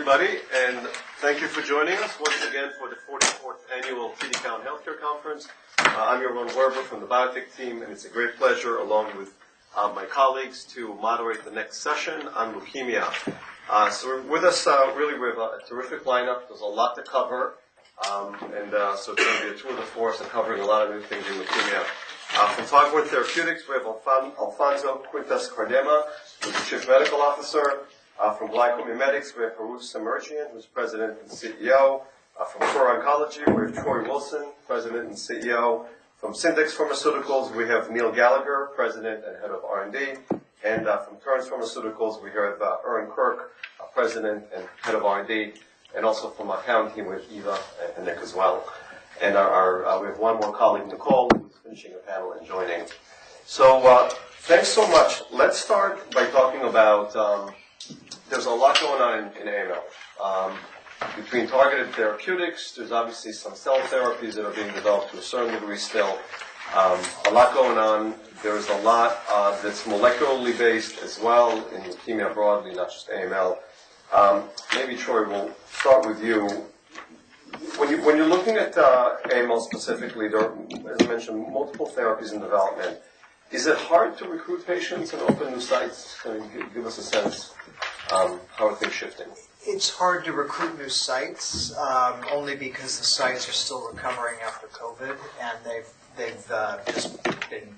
All right, well, welcome everybody, and thank you for joining us once again for the 44th Annual TD Cowen Health Care Conference. I'm Yaron Werber from the biotech team, and it's a great pleasure, along with my colleagues, to moderate the next session on leukemia. So we're with us really with a terrific lineup. There's a lot to cover, and so it's going to be a tour de force and covering a lot of new things in leukemia. From Foghorn Therapeutics, we have Alfonso Quintás-Cardama, who's the Chief Medical Officer. From GlycoMimetics, we have Harout Semerjian, who's President and CEO. From Kura Oncology, we have Troy Wilson, President and CEO. From Syndax Pharmaceuticals, we have Neil Gallagher, President and Head of R&D. And from Terns Pharmaceuticals, we have Erin Quirk, President and Head of R&D. And also from our account team, we have Eva and Nick as well. We have one more colleague, Nicole, who's finishing the panel and joining. Thanks so much. Let's start by talking about there's a lot going on in AML. Between targeted therapeutics, there's obviously some cell therapies that are being developed to a certain degree still. A lot going on. There's a lot that's molecularly based as well in leukemia broadly, not just AML. Maybe, Troy, we'll start with you. When you're looking at AML specifically, there are, as I mentioned, multiple therapies in development. Is it hard to recruit patients and open new sites? Kind of give us a sense how are things shifting. It's hard to recruit new sites only because the sites are still recovering after COVID, and they've just been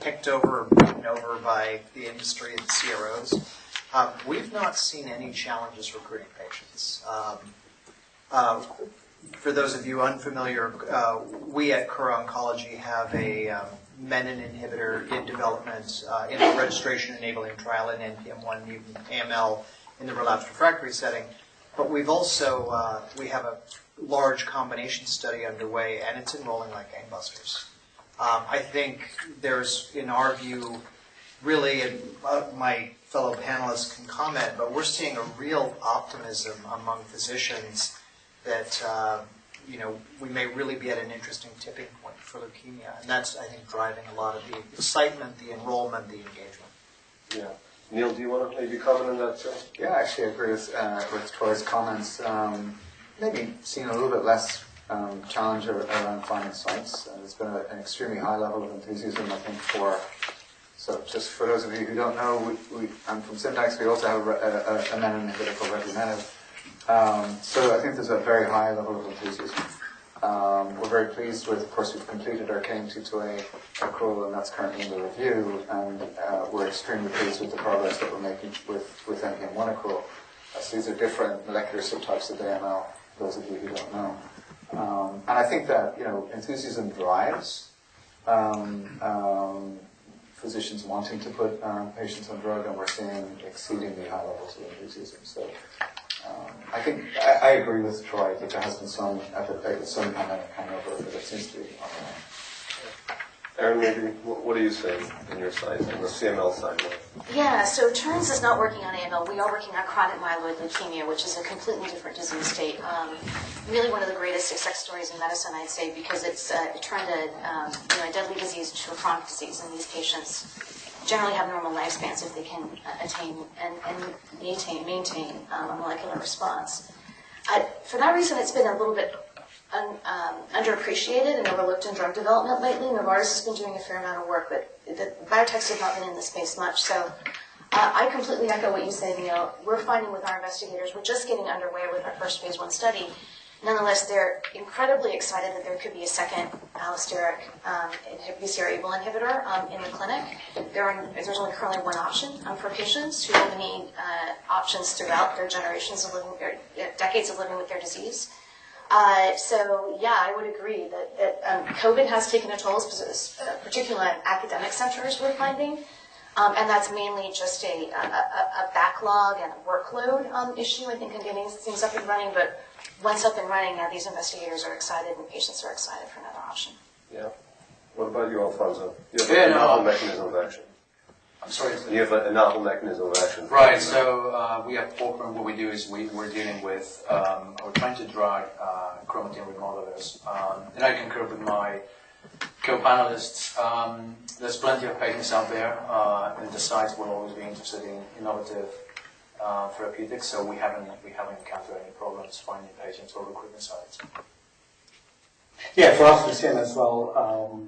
picked over and broken over by the industry and CROs. We've not seen any challenges recruiting patients. For those of you unfamiliar, we at Kura Oncology have a menin inhibitor in development, in a registration-enabling trial in NPM1, even AML, in the relapse refractory setting. But we have a large combination study underway, and it's enrolling like gangbusters. I think there's, in our view, really, and my fellow panelists can comment, but we're seeing a real optimism among physicians that we may really be at an interesting tipping point for leukemia. And that's, I think, driving a lot of the excitement, the enrollment, the engagement. Yeah. Neil, do you want to maybe comment on that too? Yeah, actually, I agree with Troy's comments. Maybe seeing a little bit less challenge around finding sites. There's been an extremely high level of enthusiasm, I think, for so just for those of you who don't know, I'm from Syndax. We also have a menin inhibitor called revumenib. So I think there's a very high level of enthusiasm. We're very pleased with, of course, we've completed our KMT2A accrual, and that's currently under review. And we're extremely pleased with the progress that we're making with NPM1 accrual. So these are different molecular subtypes of AML, for those of you who don't know. And I think that enthusiasm drives physicians wanting to put patients on drug, and we're seeing exceedingly high levels of enthusiasm. So I agree with Troy that there has been some epidemic hangover, but it seems to be on the way. Erin, maybe what do you see in your side? On the CML side, what? Yeah. So Terns is not working on AML. We are working on chronic myeloid leukemia, which is a completely different disease state. Really one of the greatest success stories in medicine, I'd say, because it's turning a deadly disease into a chronic disease, and these patients generally have normal lifespans if they can attain and maintain a molecular response. For that reason, it's been a little bit underappreciated and overlooked in drug development lately. Novartis has been doing a fair amount of work, but biotechs have not been in the space much. So I completely echo what you said, Neil. We're finding with our investigators, we're just getting underway with our first phase one study. Nonetheless, they're incredibly excited that there could be a second allosteric BCR-ABL inhibitor in the clinic. There's only currently one option for patients who have many options throughout their generations of living or decades of living with their disease. So yeah, I would agree that COVID has taken a toll, particularly on academic centers, we're finding. And that's mainly just a backlog and a workload issue, I think, and getting things up and running. But once up and running, now these investigators are excited, and patients are excited for another option. Yeah. What about you, Alfonso? You have a novel mechanism of action. I'm sorry, is there? You have a novel mechanism of action. Right. So we have Foghorn. What we do is we're dealing with or trying to drug chromatin remodelers. And I concur with my co-panelists. There's plenty of patients out there, and the sites will always be interested in innovative therapeutics. So we haven't encountered any problems finding patients or recruiting sites. Yeah. For us to see them as well,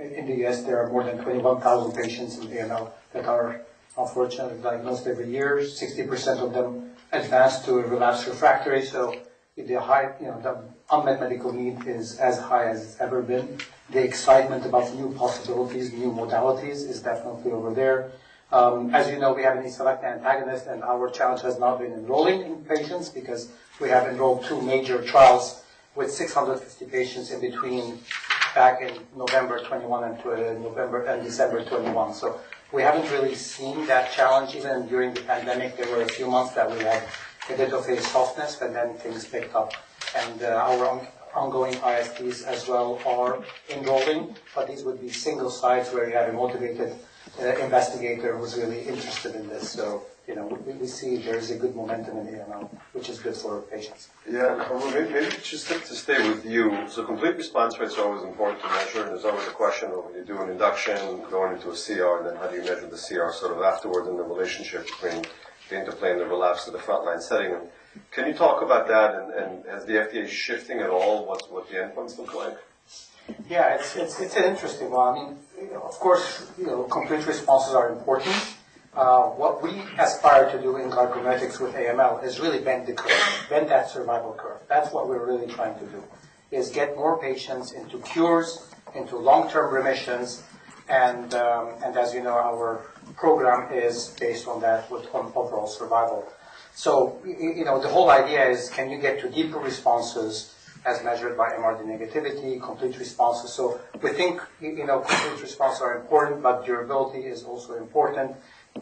in the US, there are more than 21,000 patients in AML that are, unfortunately, diagnosed every year. 60% of them advance to a relapse refractory. So if the unmet medical need is as high as it's ever been, the excitement about new possibilities, new modalities, is definitely over there. As you know, we haven't selected antagonists, and our challenge has not been enrolling in patients because we have enrolled two major trials with 650 patients in between back in November 2021 and December 2021. So we haven't really seen that challenge. Even during the pandemic, there were a few months that we had a bit of a softness, but then things picked up. And our ongoing ISTs as well are enrolling, but these would be single sites where you had a motivated investigator who was really interested in this. We see there is a good momentum in AML, which is good for patients. Yeah. Maybe just to stay with you, so complete response rates are always important to measure, and it's always a question of you do an induction, going into a CR, and then how do you measure the CR sort of afterwards and the relationship between the interplay and the relapse to the frontline setting. Can you talk about that, and is the FDA shifting at all what the endpoints look like? Yeah. It's an interesting one. I mean, of course, complete responses are important. What we aspire to do in GlycoMimetics with AML is really bend the curve, bend that survival curve. That's what we're really trying to do, is get more patients into cures, into long-term remissions. And as you know, our program is based on that with overall survival. So the whole idea is, can you get to deeper responses as measured by MRD negativity, complete responses? So we think complete responses are important, but durability is also important.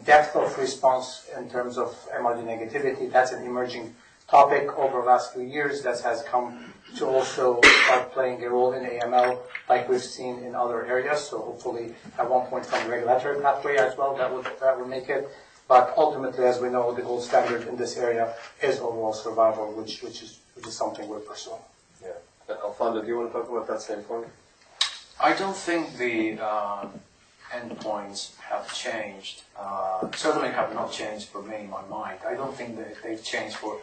Depth of response in terms of MRD negativity, that's an emerging topic over the last few years that has come to also start playing a role in AML like we've seen in other areas. So hopefully, at one point, from the regulatory pathway as well, that would make it. Ultimately, as we know, the gold standard in this area is overall survival, which is something we're pursuing. Yeah. Alfonso, do you want to talk about that same point? I don't think the endpoints have changed. Certainly, have not changed for me in my mind. I don't think that they've changed for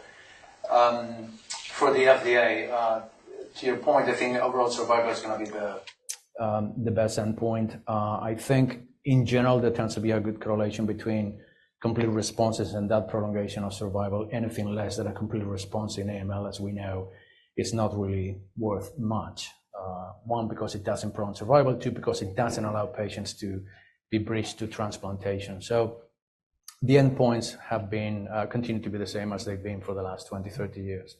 the FDA. To your point, I think overall survival is going to be the best endpoint. I think, in general, there tends to be a good correlation between complete responses and that prolongation of survival. Anything less than a complete response in AML, as we know, is not really worth much. One, because it doesn't prolong survival. Two, because it doesn't allow patients to be bridged to transplantation. So the endpoints have continued to be the same as they've been for the last 20, 30 years.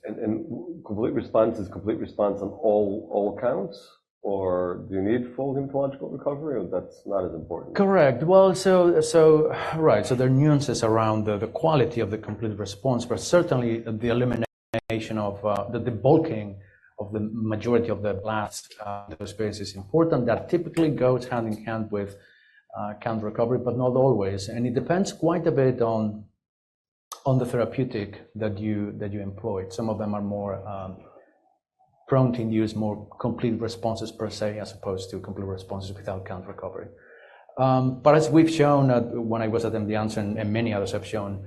Complete response is complete response on all counts, or do you need full hematological recovery, or that's not as important? Correct. Well, so right. So there are nuances around the quality of the complete response, but certainly, the elimination of the bulk of the majority of the blasts that are experienced is important. That typically goes hand in hand with count recovery, but not always. And it depends quite a bit on the therapeutic that you employ. Some of them are more prone to induce more complete responses, per se, as opposed to complete responses without count recovery. But as we've shown when I was at MD Anderson, and many others have shown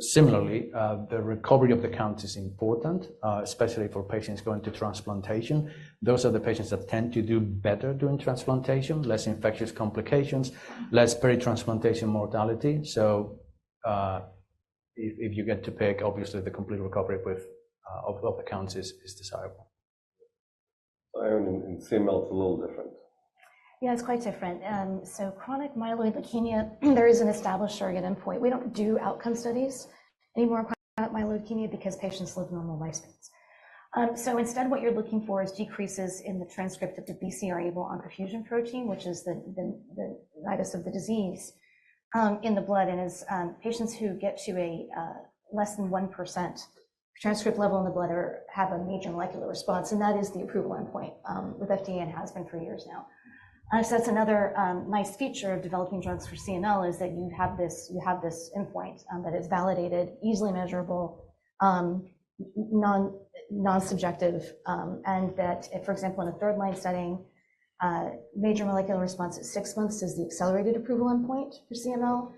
similarly, the recovery of the counts is important, especially for patients going to transplantation. Those are the patients that tend to do better during transplantation, less infectious complications, less peritransplantation mortality. So if you get to pick, obviously, the complete recovery of the counts is desirable. Erin, in CML, it's a little different? Yeah, it's quite different. So chronic myeloid leukemia, there is an established surrogate endpoint. We don't do outcome studies anymore on chronic myeloid leukemia because patients live normal lifespans. So instead, what you're looking for is decreases in the transcript of the BCR-ABL oncofusion protein, which is the nidus of the disease, in the blood. And patients who get to a less than 1% transcript level in the blood have a major molecular response, and that is the approval endpoint. With FDA, it has been for years now. So that's another nice feature of developing drugs for CML, is that you have this endpoint that is validated, easily measurable, non-subjective, and that, for example, in a third-line setting, major molecular response at six months is the accelerated approval endpoint for CML,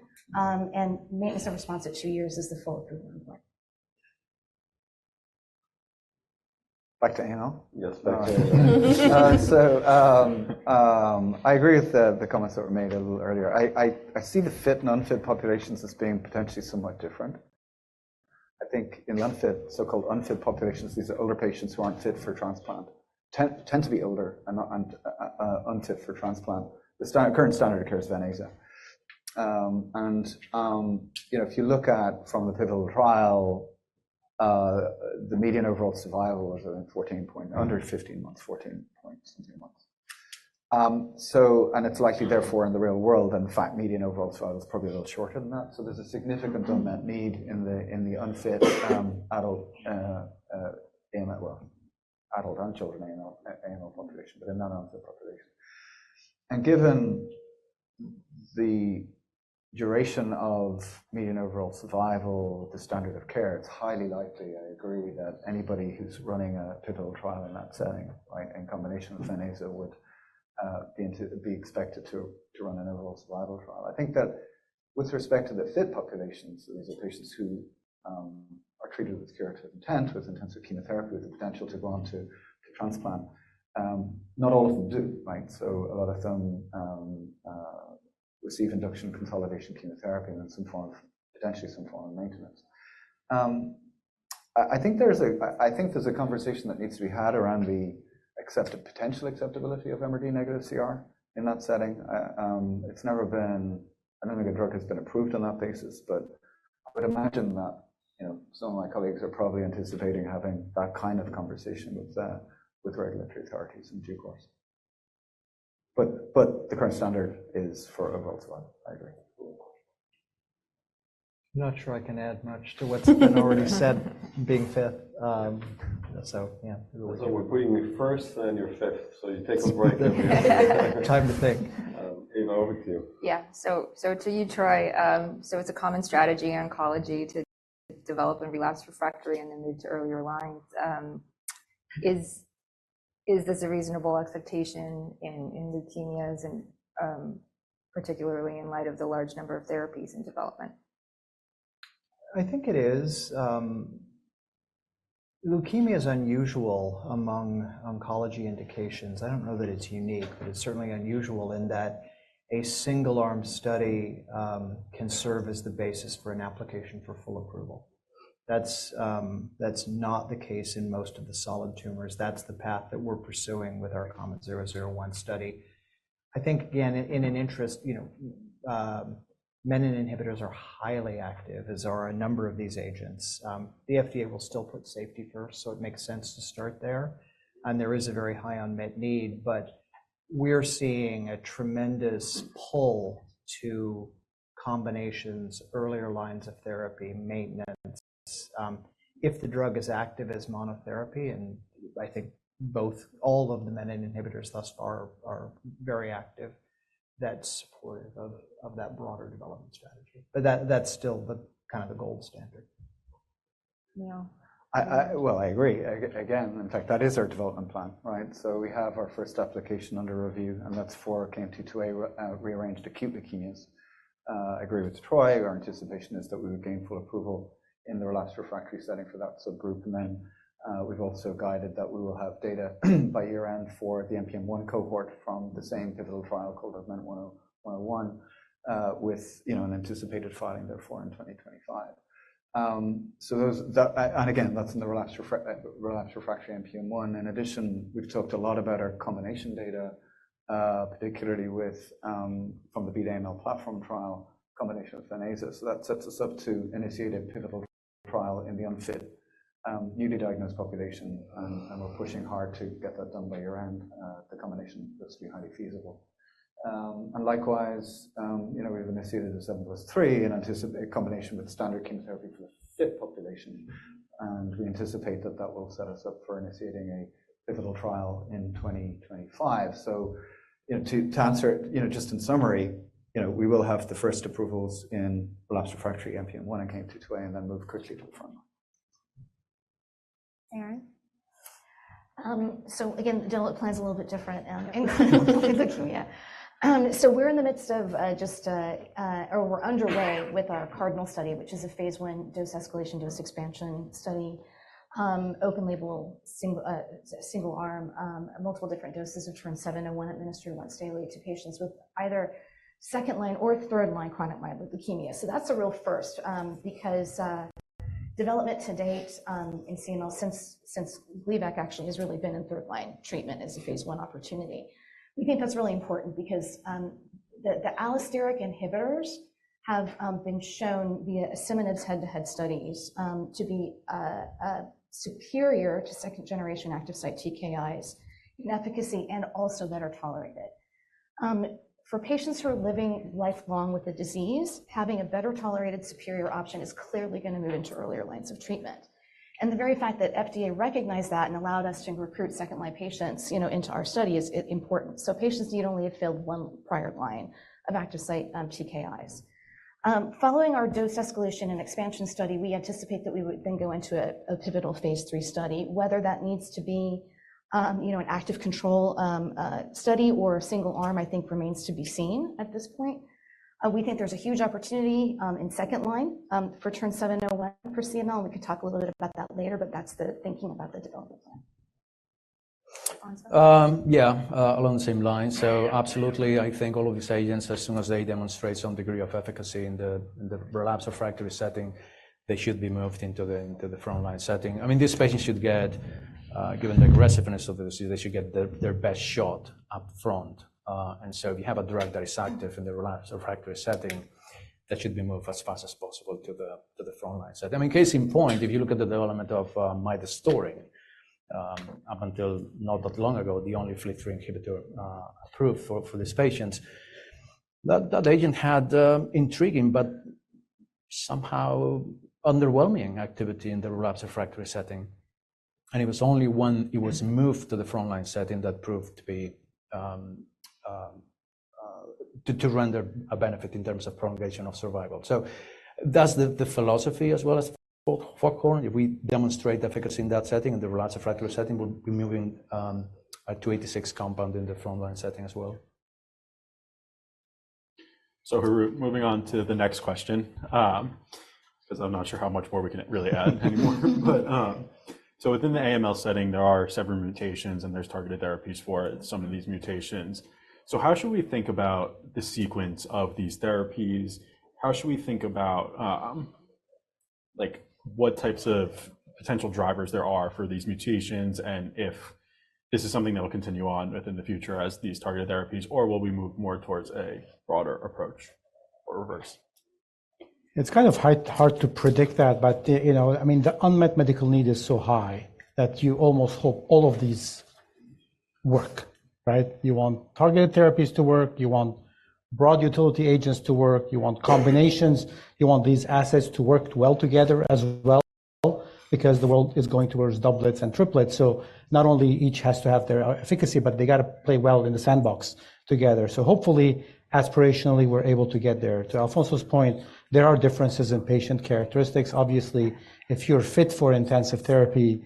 and maintenance of response at two years is the full approval endpoint. Back to AML? Yes, back to AML. So I agree with the comments that were made a little earlier. I see the fit/non-fit populations as being potentially somewhat different. I think in so-called unfit populations, these are older patients who aren't fit for transplant, tend to be older and unfit for transplant. The current standard of care is Ven/Aza. And if you look at from the pivotal trial, the median overall survival was, I think, 14-something under 15 months, 14-something months. And it's likely, therefore, in the real world, in fact, median overall survival is probably a little shorter than that. So there's a significant unmet need in the unfit adult AML, adult and children AML population, but in non-unfit population. Given the duration of median overall survival, the standard of care, it's highly likely, I agree, that anybody who's running a pivotal trial in that setting, right, in combination with VenAza, would be expected to run an overall survival trial. I think that with respect to the fit populations, these are patients who are treated with curative intent, with intensive chemotherapy, with the potential to go on to transplant. Not all of them do, right? So a lot of them receive induction consolidation chemotherapy and then some form of potentially some form of maintenance. I think there's a conversation that needs to be had around the potential acceptability of MRD negative CR in that setting. I don't think a drug has been approved on that basis, but I would imagine that some of my colleagues are probably anticipating having that kind of conversation with regulatory authorities in due course. But the current standard is for overall survival. I agree. I'm not sure I can add much to what's been already said being fifth. So yeah. So we're putting you first, then you're fifth. So you take a break every other day. Time to think. Eva, over to you. Yeah. So to you, Troy, so it's a common strategy in oncology to develop in relapsed/refractory and then move to earlier lines. Is this a reasonable expectation in leukemias, particularly in light of the large number of therapies in development? I think it is. Leukemia is unusual among oncology indications. I don't know that it's unique, but it's certainly unusual in that a single-arm study can serve as the basis for an application for full approval. That's not the case in most of the solid tumors. That's the path that we're pursuing with our KOMET-001 study. I think, again, interestingly, menin inhibitors are highly active, as are a number of these agents. The FDA will still put safety first, so it makes sense to start there. And there is a very high unmet need, but we're seeing a tremendous pull to combinations, earlier lines of therapy, maintenance. If the drug is active as monotherapy, and I think all of the menin inhibitors thus far are very active, that's supportive of that broader development strategy. But that's still kind of the gold standard. Yeah. Well, I agree. Again, in fact, that is our development plan, right? So we have our first application under review, and that's for KMT2A-rearranged acute leukemias. I agree with Troy. Our anticipation is that we would gain full approval in the relapse refractory setting for that subgroup. And then we've also guided that we will have data by year-end for the NPM1 cohort from the same pivotal trial called AUGMENT-101 with an anticipated filing, therefore, in 2025. And again, that's in the relapse refractory NPM1. In addition, we've talked a lot about our combination data, particularly from the BEAT AML platform trial, combination with VenAza. So that sets us up to initiate a pivotal trial in the unfit, newly diagnosed population. And we're pushing hard to get that done by year-end. The combination looks to be highly feasible. Likewise, we've initiated a 7+3 in combination with standard chemotherapy for the fifth population. We anticipate that that will set us up for initiating a pivotal trial in 2025. To answer it, just in summary, we will have the first approvals in relapse refractory NPM1 and KMT2A, and then move quickly to the frontline. Erin? So again, the development plan is a little bit different in chronic leukemia. So we're underway with our Cardinal study, which is a phase 1 dose escalation, dose expansion study, open-label single-arm, multiple different doses of TERN-701 administered once daily to patients with either second-line or third-line chronic myeloid leukemia. So that's a real first because development to date in CML, since Gleevec actually has really been in third-line treatment as a phase 1 opportunity, we think that's really important because the allosteric inhibitors have been shown in preclinical head-to-head studies to be superior to second-generation active site TKIs in efficacy and also better tolerated. For patients who are living lifelong with the disease, having a better tolerated, superior option is clearly going to move into earlier lines of treatment. The very fact that FDA recognized that and allowed us to recruit second-line patients into our study is important. Patients need only a failed one prior line of active site TKIs. Following our dose escalation and expansion study, we anticipate that we would then go into a pivotal phase 3 study. Whether that needs to be an active control study or single-arm, I think, remains to be seen at this point. We think there's a huge opportunity in second line for TERN-701 for CML. We could talk a little bit about that later, but that's the thinking about the development plan. Yeah, along the same lines. So absolutely, I think all of these agents, as soon as they demonstrate some degree of efficacy in the relapse refractory setting, they should be moved into the frontline setting. I mean, these patients should get, given the aggressiveness of the disease, they should get their best shot up front. And so if you have a drug that is active in the relapse refractory setting, that should be moved as fast as possible to the frontline setting. I mean, case in point, if you look at the development of midostaurin up until not that long ago, the only FLT3 inhibitor approved for these patients, that agent had intriguing, but somehow underwhelming activity in the relapse refractory setting. And it was only when it was moved to the frontline setting that proved to render a benefit in terms of prolongation of survival. So that's the philosophy as well as Foghorn. If we demonstrate efficacy in that setting and the relapse refractory setting, we'll be moving a 286 compound in the frontline setting as well. Moving on to the next question because I'm not sure how much more we can really add anymore. Within the AML setting, there are several mutations, and there's targeted therapies for some of these mutations. How should we think about the sequence of these therapies? How should we think about what types of potential drivers there are for these mutations, and if this is something that will continue on within the future as these targeted therapies, or will we move more towards a broader approach or reverse? It's kind of hard to predict that, but I mean, the unmet medical need is so high that you almost hope all of these work, right? You want targeted therapies to work. You want broad utility agents to work. You want combinations. You want these assets to work well together as well because the world is going towards doublets and triplets. So not only each has to have their efficacy, but they got to play well in the sandbox together. So hopefully, aspirationally, we're able to get there. To Alfonso's point, there are differences in patient characteristics. Obviously, if you're fit for intensive therapy,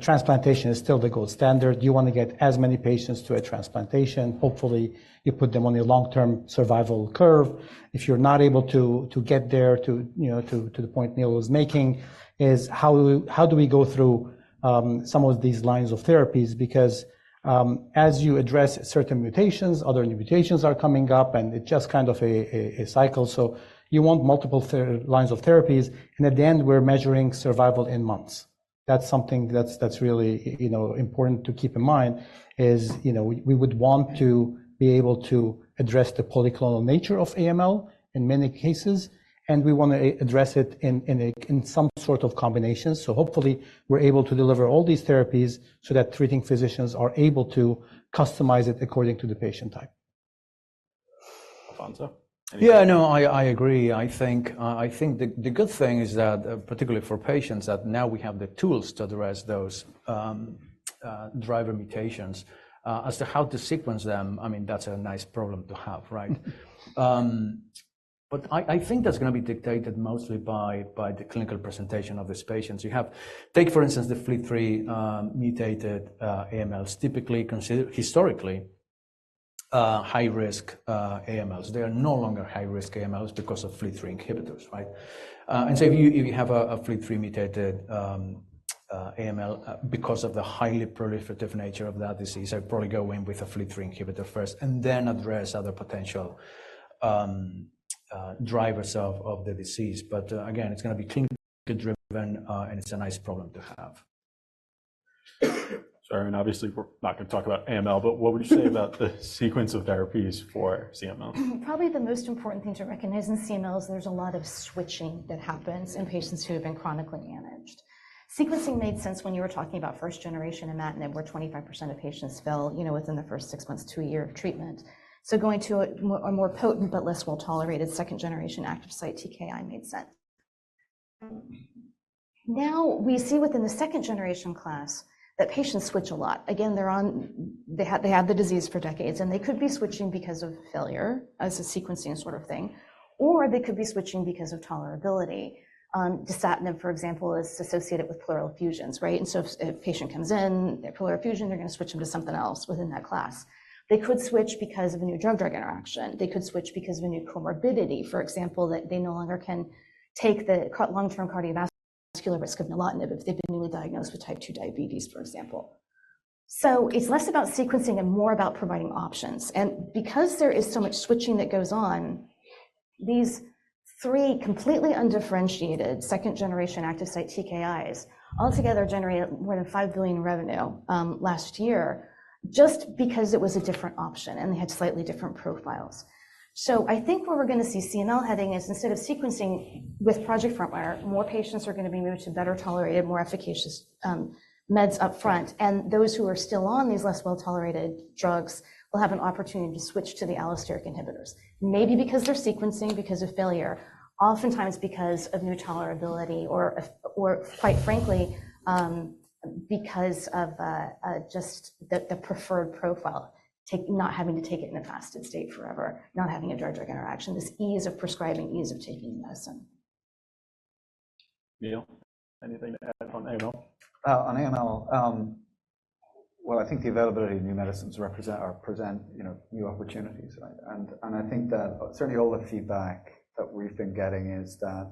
transplantation is still the gold standard. You want to get as many patients to a transplantation. Hopefully, you put them on a long-term survival curve. If you're not able to get there to the point Neil was making, is how do we go through some of these lines of therapies? Because as you address certain mutations, other mutations are coming up, and it's just kind of a cycle. So you want multiple lines of therapies. And at the end, we're measuring survival in months. That's something that's really important to keep in mind, is we would want to be able to address the polyclonal nature of AML in many cases, and we want to address it in some sort of combination. So hopefully, we're able to deliver all these therapies so that treating physicians are able to customize it according to the patient type. Alfonso? Yeah, no, I agree. I think the good thing is that, particularly for patients, that now we have the tools to address those driver mutations. As to how to sequence them, I mean, that's a nice problem to have, right? But I think that's going to be dictated mostly by the clinical presentation of these patients. Take, for instance, the FLT3 mutated AMLs, typically considered historically high-risk AMLs. They are no longer high-risk AMLs because of FLT3 inhibitors, right? And so if you have a FLT3 mutated AML because of the highly proliferative nature of that disease, I'd probably go in with a FLT3 inhibitor first and then address other potential drivers of the disease. But again, it's going to be clinically driven, and it's a nice problem to have. Erin, obviously, we're not going to talk about AML, but what would you say about the sequence of therapies for CML? Probably the most important thing to recognize in CML is there's a lot of switching that happens in patients who have been chronically managed. Sequencing made sense when you were talking about first generation and imatinib, where 25% of patients fail within the first six months, two years of treatment. So going to a more potent but less well-tolerated second-generation active site TKI made sense. Now, we see within the second-generation class that patients switch a lot. Again, they have the disease for decades, and they could be switching because of failure as a sequencing sort of thing, or they could be switching because of tolerability. Dasatinib, for example, is associated with pleural effusions, right? And so if a patient comes in, they have pleural effusion, they're going to switch them to something else within that class. They could switch because of a new drug-drug interaction. They could switch because of a new comorbidity, for example, that they no longer can take the long-term cardiovascular risk of nilotinib if they've been newly diagnosed with type 2 diabetes, for example. So it's less about sequencing and more about providing options. And because there is so much switching that goes on, these three completely undifferentiated second-generation active site TKIs altogether generated more than $5 billion in revenue last year just because it was a different option, and they had slightly different profiles. So I think what we're going to see CML heading is instead of sequencing with Project FrontRunner, more patients are going to be moved to better tolerated, more efficacious meds upfront. Those who are still on these less well-tolerated drugs will have an opportunity to switch to the allosteric inhibitors, maybe because they're sequencing, because of failure, oftentimes because of new tolerability, or quite frankly, because of just the preferred profile, not having to take it in a fasted state forever, not having a drug-drug interaction, this ease of prescribing, ease of taking medicine. Neil, anything to add on AML? On AML, well, I think the availability of new medicines represent new opportunities, right? And I think that certainly all the feedback that we've been getting is that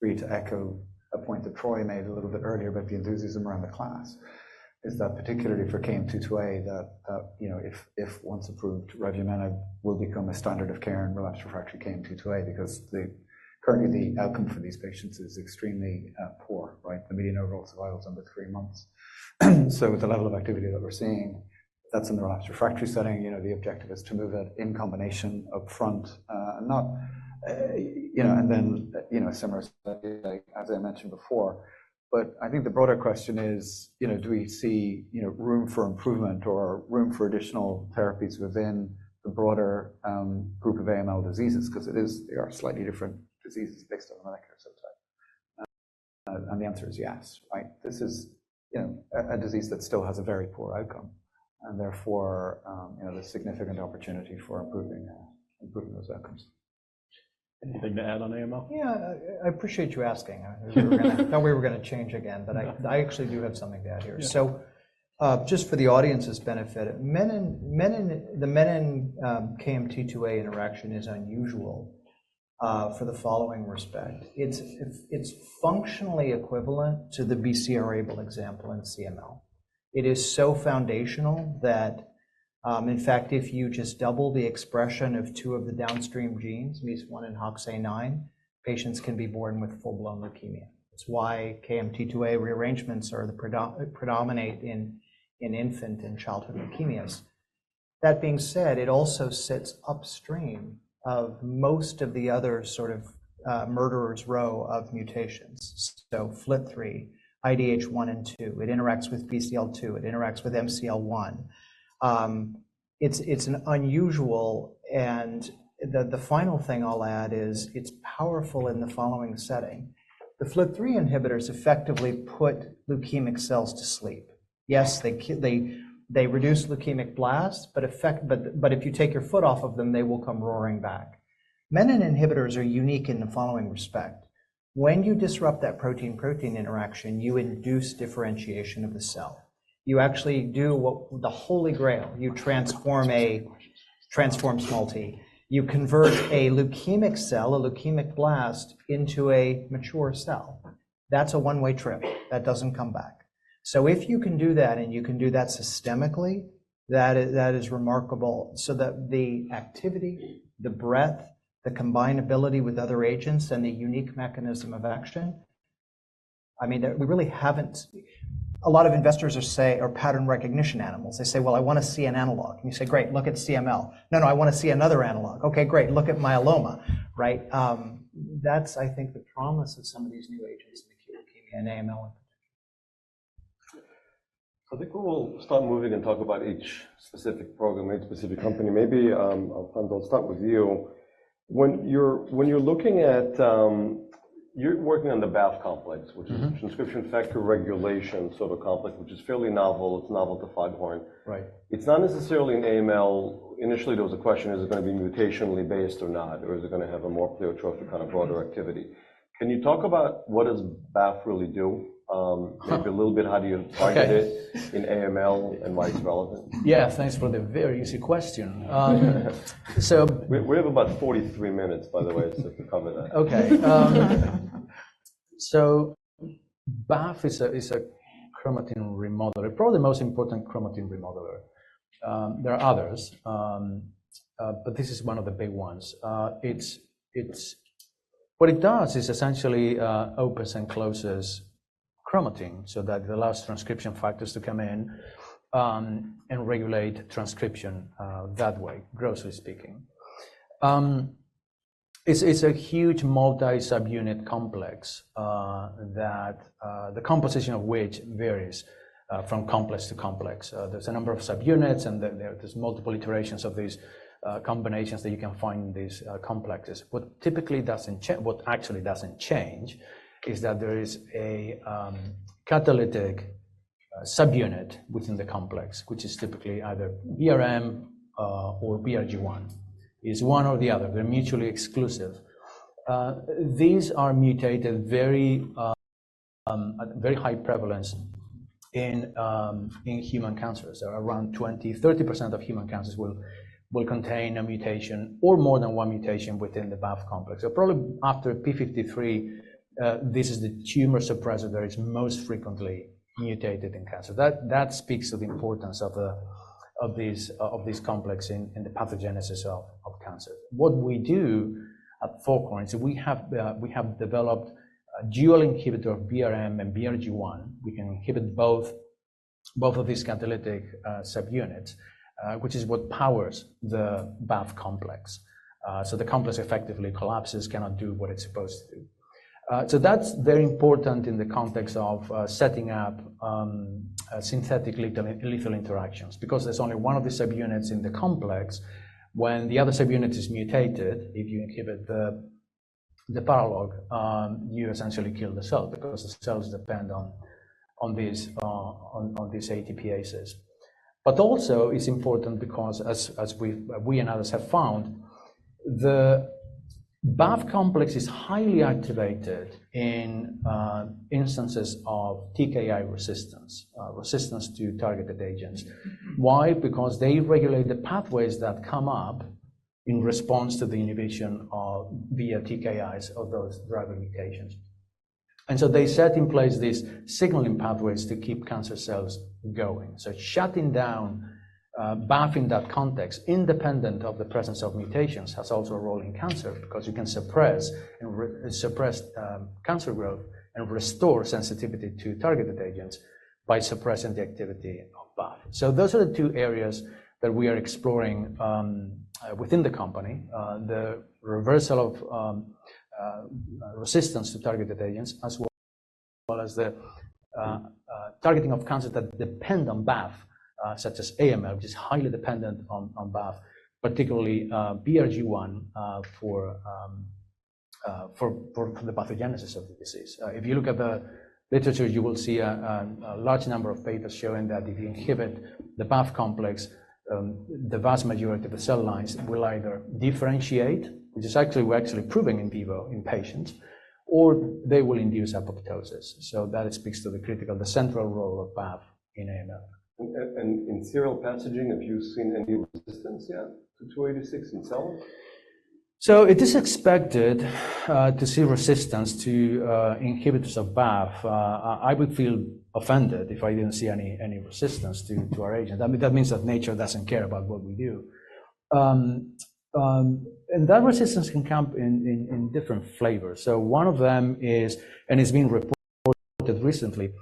for you to echo a point that Troy made a little bit earlier about the enthusiasm around the class, is that particularly for KMT2A, that if once approved, revumenib will become a standard of care in relapse refractory KMT2A because currently, the outcome for these patients is extremely poor, right? The median overall survival is under three months. So with the level of activity that we're seeing, that's in the relapse refractory setting. The objective is to move it in combination upfront and not and then a similar study, as I mentioned before. But I think the broader question is, do we see room for improvement or room for additional therapies within the broader group of AML diseases? Because they are slightly different diseases based on the molecular subtype. And the answer is yes, right? This is a disease that still has a very poor outcome, and therefore, there's significant opportunity for improving those outcomes. Anything to add on AML? Yeah, I appreciate you asking. I thought we were going to change again, but I actually do have something to add here. So just for the audience's benefit, the menin and KMT2A interaction is unusual for the following respect. It's functionally equivalent to the BCR-ABL example in CML. It is so foundational that, in fact, if you just double the expression of two of the downstream genes, MEIS1 and HOXA9, patients can be born with full-blown leukemia. It's why KMT2A rearrangements predominate in infant and childhood leukemias. That being said, it also sits upstream of most of the other sort of murderer's row of mutations. So FLT3, IDH1 and 2, it interacts with BCL-2. It interacts with MCL-1. It's unusual. And the final thing I'll add is it's powerful in the following setting. The FLT3 inhibitors effectively put leukemic cells to sleep. Yes, they reduce leukemic blasts, but if you take your foot off of them, they will come roaring back. Menin inhibitors are unique in the following respect. When you disrupt that protein-protein interaction, you induce differentiation of the cell. You actually do the Holy Grail. You transform AML. You convert a leukemic cell, a leukemic blast, into a mature cell. That's a one-way trip. That doesn't come back. So if you can do that and you can do that systemically, that is remarkable. So the activity, the breadth, the combinability with other agents, and the unique mechanism of action, I mean, we really haven't a lot of investors are pattern recognition animals. They say, "Well, I want to see an analog." And you say, "Great, look at CML." "No, no, I want to see another analog." "Okay, great, look at myeloma," right? That's, I think, the promise of some of these new agents in acute leukemia and AML in particular. I think we'll start moving and talk about each specific program, each specific company. Maybe, Alfonso, I'll start with you. When you're looking at you're working on the BAF complex, which is transcription factor regulation sort of complex, which is fairly novel. It's novel to Foghorn. It's not necessarily an AML. Initially, there was a question, is it going to be mutationally based or not, or is it going to have a more pleiotropic kind of broader activity? Can you talk about what does BAF really do? Maybe a little bit, how do you target it in AML, and why it's relevant? Yes, thanks for the very easy question. We have about 43 minutes, by the way, to cover that. Okay. So BAF is a chromatin remodeler, probably the most important chromatin remodeler. There are others, but this is one of the big ones. What it does is essentially opens and closes chromatin so that it allows transcription factors to come in and regulate transcription that way, grossly speaking. It's a huge multi-subunit complex, the composition of which varies from complex to complex. There's a number of subunits, and there's multiple iterations of these combinations that you can find in these complexes. What actually doesn't change is that there is a catalytic subunit within the complex, which is typically either BRM or BRG1. It's one or the other. They're mutually exclusive. These are mutated very high prevalence in human cancers. Around 20%-30% of human cancers will contain a mutation or more than one mutation within the BAF complex. So probably after p53, this is the tumor suppressor that is most frequently mutated in cancer. That speaks to the importance of these complexes in the pathogenesis of cancers. What we do at Foghorn is we have developed a dual inhibitor of BRM and BRG1. We can inhibit both of these catalytic subunits, which is what powers the BAF complex. So the complex effectively collapses, cannot do what it's supposed to do. So that's very important in the context of setting up synthetic lethal interactions because there's only one of the subunits in the complex. When the other subunit is mutated, if you inhibit the paralog, you essentially kill the cell because the cells depend on these ATPases. But also, it's important because, as we and others have found, the BAF complex is highly activated in instances of TKI resistance, resistance to targeted agents. Why? Because they regulate the pathways that come up in response to the inhibition via TKIs of those driver mutations. And so they set in place these signaling pathways to keep cancer cells going. So shutting down BAF in that context, independent of the presence of mutations, has also a role in cancer because you can suppress cancer growth and restore sensitivity to targeted agents by suppressing the activity of BAF. So those are the two areas that we are exploring within the company, the reversal of resistance to targeted agents as well as the targeting of cancers that depend on BAF, such as AML, which is highly dependent on BAF, particularly BRG1 for the pathogenesis of the disease. If you look at the literature, you will see a large number of papers showing that if you inhibit the BAF complex, the vast majority of the cell lines will either differentiate, which is actually what we're actually proving in vivo in patients, or they will induce apoptosis. So that speaks to the central role of BAF in AML. In serial passaging, have you seen any resistance yet to 286 in cells? So it is expected to see resistance to inhibitors of BAF. I would feel offended if I didn't see any resistance to our agent. That means that nature doesn't care about what we do. And that resistance can come in different flavors. So one of them is, and it's been reported recently,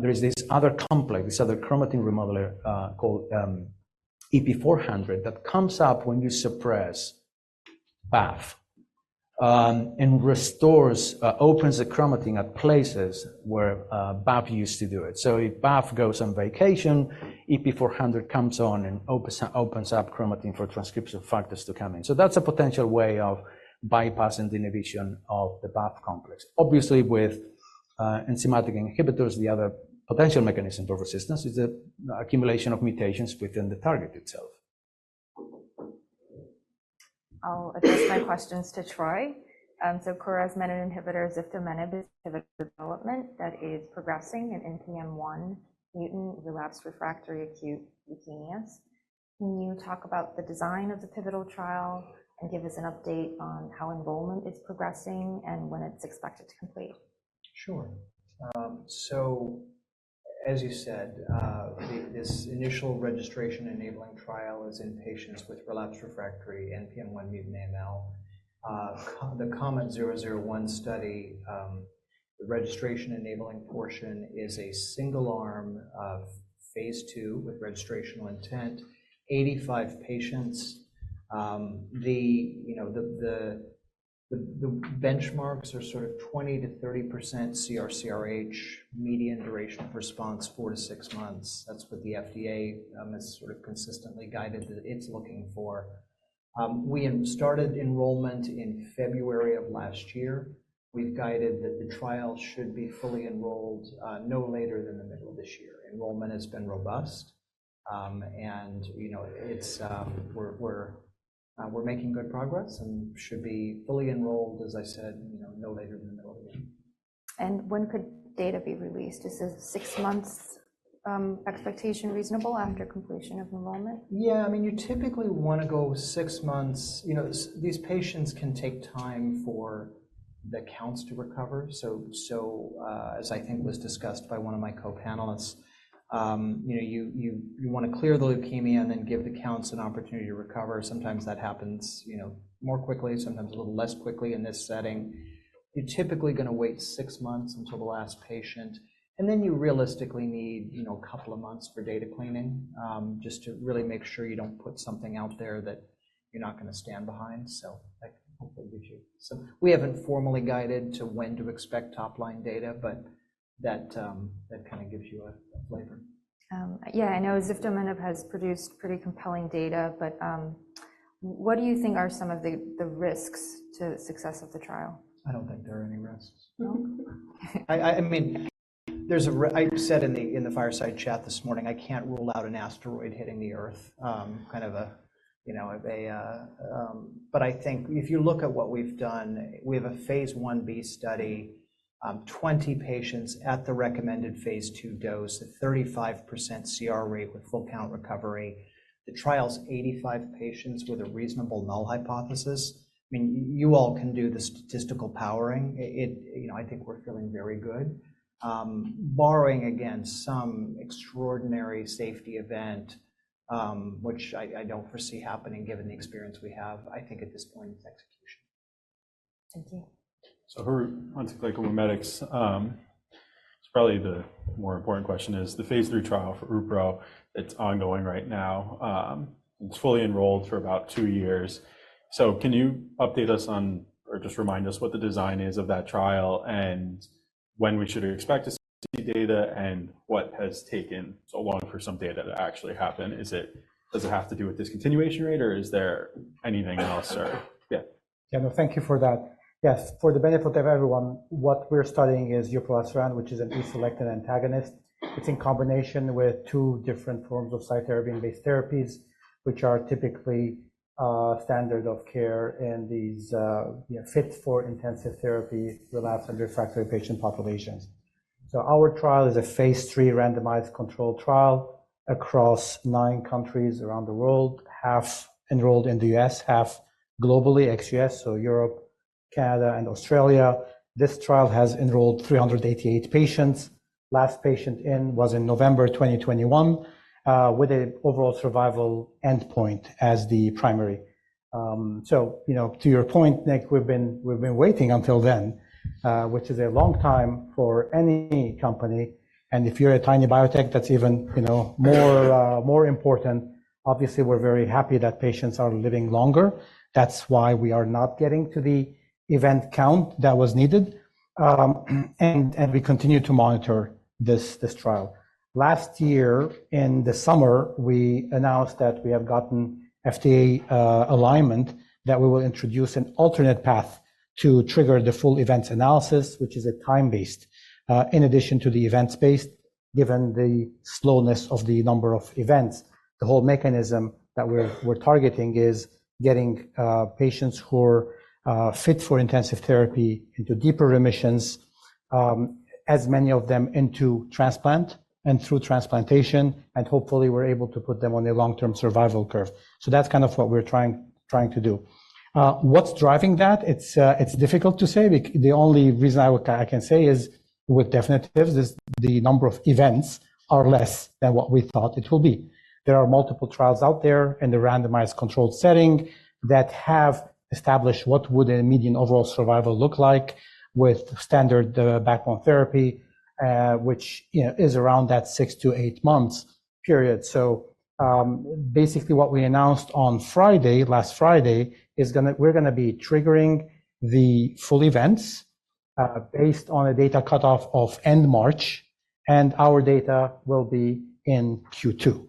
there is this other complex, this other chromatin remodeler called EP400 that comes up when you suppress BAF and opens the chromatin at places where BAF used to do it. So if BAF goes on vacation, EP400 comes on and opens up chromatin for transcription factors to come in. So that's a potential way of bypassing the inhibition of the BAF complex. Obviously, with enzymatic inhibitors, the other potential mechanism for resistance is the accumulation of mutations within the target itself. I'll address my questions to Troy. So Kura's menin inhibitor, ziftomenib, is in pivotal development. That is progressing in NPM1-mutant relapsed/refractory acute leukemias. Can you talk about the design of the pivotal trial and give us an update on how enrollment is progressing and when it's expected to complete? Sure. So as you said, this initial registration-enabling trial is in patients with relapsed/refractory NPM1 mutant AML. The KOMET-001 study, the registration-enabling portion is a single-arm phase 2 with registrational intent, 85 patients. The benchmarks are sort of 20%-30% CR/CRH, median duration of response, 4-6 months. That's what the FDA has sort of consistently guided that it's looking for. We started enrollment in February of last year. We've guided that the trial should be fully enrolled no later than the middle of this year. Enrollment has been robust, and we're making good progress and should be fully enrolled, as I said, no later than the middle of the year. When could data be released? Is a 6-month expectation reasonable after completion of enrollment? Yeah, I mean, you typically want to go six months. These patients can take time for the counts to recover. So as I think was discussed by one of my co-panelists, you want to clear the leukemia and then give the counts an opportunity to recover. Sometimes that happens more quickly, sometimes a little less quickly in this setting. You're typically going to wait six months until the last patient. And then you realistically need a couple of months for data cleaning just to really make sure you don't put something out there that you're not going to stand behind. So that hopefully gives you. We haven't formally guided to when to expect top-line data, but that kind of gives you a flavor. Yeah, I know ziftomenib has produced pretty compelling data, but what do you think are some of the risks to the success of the trial? I don't think there are any risks. I mean, I said in the fireside chat this morning, I can't rule out an asteroid hitting the Earth, kind of a but I think if you look at what we've done, we have a phase 1b study, 20 patients at the recommended phase 2 dose, a 35% CR rate with full-count recovery. The trial's 85 patients with a reasonable null hypothesis. I mean, you all can do the statistical powering. I think we're feeling very good. Barring, again, some extraordinary safety event, which I don't foresee happening given the experience we have, I think at this point, it's execution. Thank you. So Harout Semerjian, once again, GlycoMimetics. Probably the more important question is the phase 3 trial for Upro, it's ongoing right now. It's fully enrolled for about two years. So can you update us on or just remind us what the design is of that trial and when we should expect to see data and what has taken so long for some data to actually happen? Does it have to do with discontinuation rate, or is there anything else? Yeah. Yeah, no, thank you for that. Yes, for the benefit of everyone, what we're studying is uproleselan, which is an E-selectin antagonist. It's in combination with two different forms of chemotherapy-based therapies, which are typically standard of care and fit for intensive therapy, relapsed and refractory patient populations. So RTOR is a phase 3 randomized controlled trial across 9 countries around the world, half enrolled in the U.S., half globally, ex-U.S., so Europe, Canada, and Australia. This trial has enrolled 388 patients. Last patient in was in November 2021 with an overall survival endpoint as the primary. So to your point, Nick, we've been waiting until then, which is a long time for any company. And if you're a tiny biotech, that's even more important. Obviously, we're very happy that patients are living longer. That's why we are not getting to the event count that was needed. We continue to monitor this trial. Last year, in the summer, we announced that we have gotten FDA alignment that we will introduce an alternate path to trigger the full events analysis, which is time-based, in addition to the events-based, given the slowness of the number of events. The whole mechanism that we're targeting is getting patients who are fit for intensive therapy into deeper remissions, as many of them into transplant and through transplantation, and hopefully, we're able to put them on a long-term survival curve. So that's kind of what we're trying to do. What's driving that? It's difficult to say. The only reason I can say is with definitively, the number of events are less than what we thought it will be. There are multiple trials out there in the randomized controlled setting that have established what would a median overall survival look like with standard backbone therapy, which is around that 6-8 months period. So basically, what we announced on Friday, last Friday, is we're going to be triggering the full events based on a data cutoff of end March, and our data will be in Q2.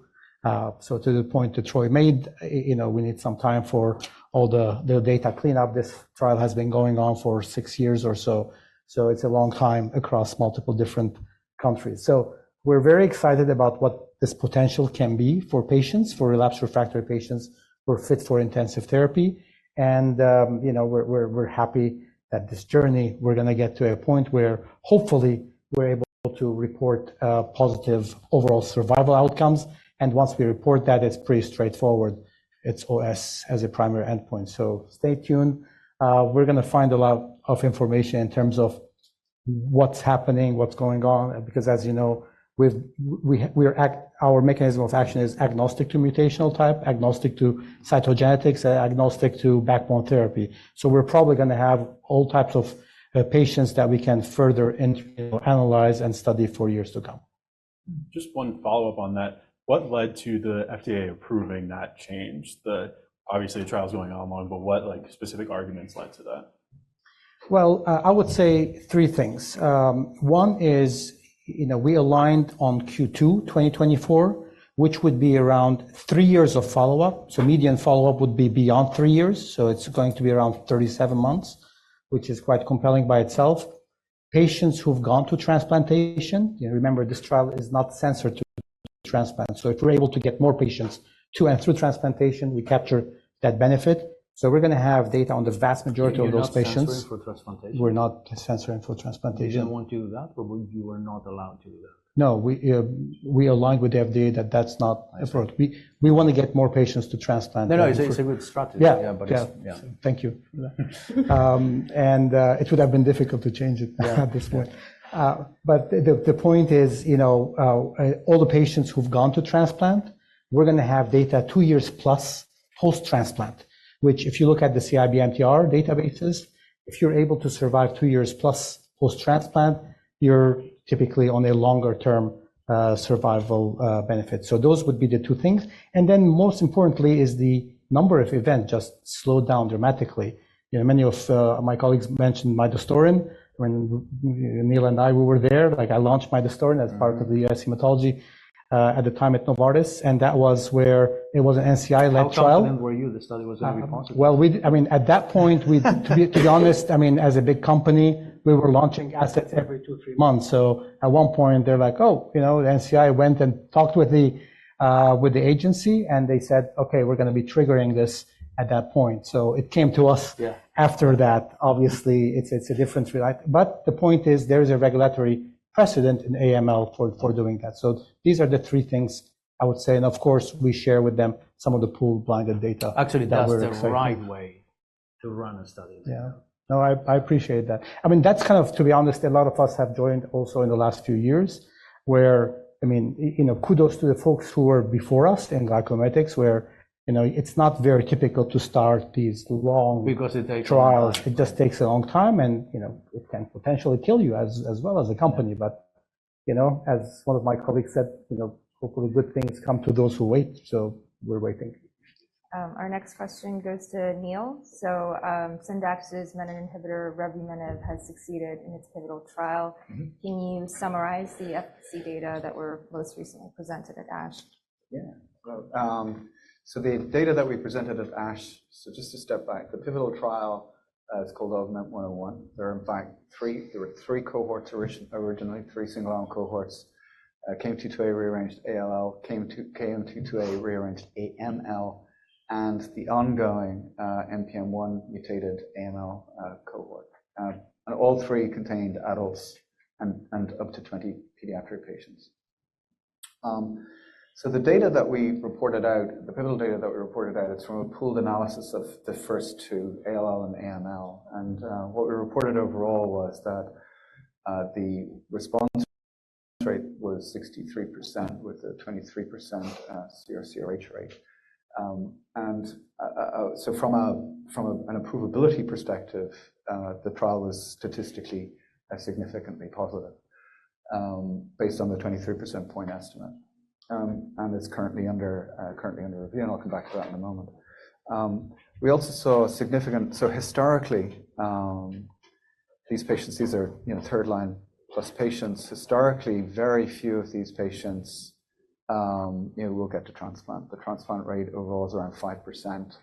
So to the point that Troy made, we need some time for all the data cleanup. This trial has been going on for 6 years or so. So it's a long time across multiple different countries. So we're very excited about what this potential can be for patients, for relapsed/refractory patients who are fit for intensive therapy. And we're happy that this journey, we're going to get to a point where, hopefully, we're able to report positive overall survival outcomes. Once we report that, it's pretty straightforward. It's OS as a primary endpoint. Stay tuned. We're going to find a lot of information in terms of what's happening, what's going on because, as you know, our mechanism of action is agnostic to mutational type, agnostic to cytogenetics, agnostic to backbone therapy. We're probably going to have all types of patients that we can further analyze and study for years to come. Just one follow-up on that. What led to the FDA approving that change? Obviously, the trial's going on long, but what specific arguments led to that? Well, I would say three things. One is we aligned on Q2 2024, which would be around three years of follow-up. So median follow-up would be beyond three years. So it's going to be around 37 months, which is quite compelling by itself. Patients who've gone to transplantation, remember, this trial is not censored to transplant. So if we're able to get more patients through transplantation, we capture that benefit. So we're going to have data on the vast majority of those patients. You're not censoring for transplantation? We're not censoring for transplantation. You don't want to do that, or you were not allowed to do that? No, we aligned with the FDA that that's not appropriate. We want to get more patients to transplant. No, no, it's a good strategy. Yeah, yeah. Thank you for that. It would have been difficult to change it at this point. But the point is, all the patients who've gone to transplant, we're going to have data two years plus post-transplant, which if you look at the CIBMTR databases, if you're able to survive two years plus post-transplant, you're typically on a longer-term survival benefit. So those would be the two things. And then most importantly is the number of events just slowed down dramatically. Many of my colleagues mentioned midostaurin. When Neil and I, we were there. I launched midostaurin as part of the U.S. hematology at the time at Novartis. And that was where it was an NCI-led trial. How confident were you the study was going to be positive? Well, I mean, at that point, to be honest, I mean, as a big company, we were launching assets every 2, 3 months. So at 1 point, they're like, "Oh, the NCI went and talked with the agency, and they said, 'Okay, we're going to be triggering this at that point.'" So it came to us after that. Obviously, it's a different relight. But the point is, there is a regulatory precedent in AML for doing that. So these are the 3 things, I would say. And of course, we share with them some of the pooled-blinded data that we're seeing. Actually, that's the right way to run a study like that. Yeah. No, I appreciate that. I mean, that's kind of, to be honest, a lot of us have joined also in the last few years where, I mean, kudos to the folks who were before us in GlycoMimetics, where it's not very typical to start these long trials. It just takes a long time, and it can potentially kill you as well as a company. But as one of my colleagues said, hopefully, good things come to those who wait. So we're waiting. Our next question goes to Neil. So Syndax's menin inhibitor revumenib has succeeded in its pivotal trial. Can you summarize the efficacy data that were most recently presented at ASH? Yeah. So the data that we presented at ASH, so just to step back, the pivotal trial is called AUGMENT-101. There were, in fact, three cohorts originally, three single-arm cohorts: KMT2A rearranged ALL, KMT2A rearranged AML, and the ongoing NPM1 mutated AML cohort. And all three contained adults and up to 20 pediatric patients. So the data that we reported out, the pivotal data that we reported out, it's from a pooled analysis of the first two, ALL and AML. And what we reported overall was that the response rate was 63% with a 23% CR/CRH rate. And so from an approvability perspective, the trial was statistically significantly positive based on the 23% point estimate. And it's currently under review, and I'll come back to that in a moment. We also saw significant, so historically, these patients, these are third-line-plus patients. Historically, very few of these patients will get to transplant. The transplant rate overall is around 5%.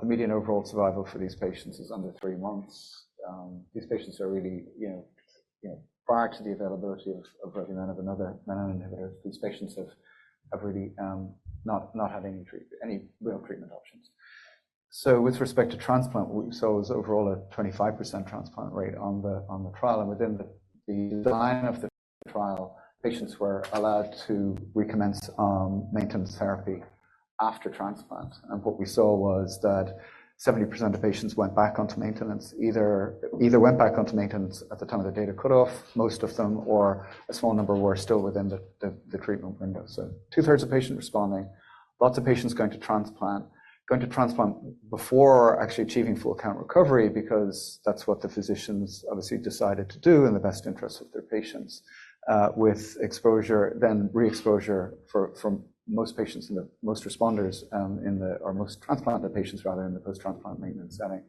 The median overall survival for these patients is under 3 months. These patients are really prior to the availability of revumenib and other menin inhibitors, these patients have really not had any real treatment options. So with respect to transplant, we saw overall a 25% transplant rate on the trial. And within the line of the trial, patients were allowed to recommence maintenance therapy after transplant. And what we saw was that 70% of patients went back onto maintenance, either went back onto maintenance at the time of the data cutoff, most of them, or a small number were still within the treatment window. So two-thirds of patients responding, lots of patients going to transplant, going to transplant before actually achieving full-count recovery because that's what the physicians, obviously, decided to do in the best interests of their patients with exposure, then re-exposure for most patients in the most responders in the or most transplanted patients, rather, in the post-transplant maintenance setting.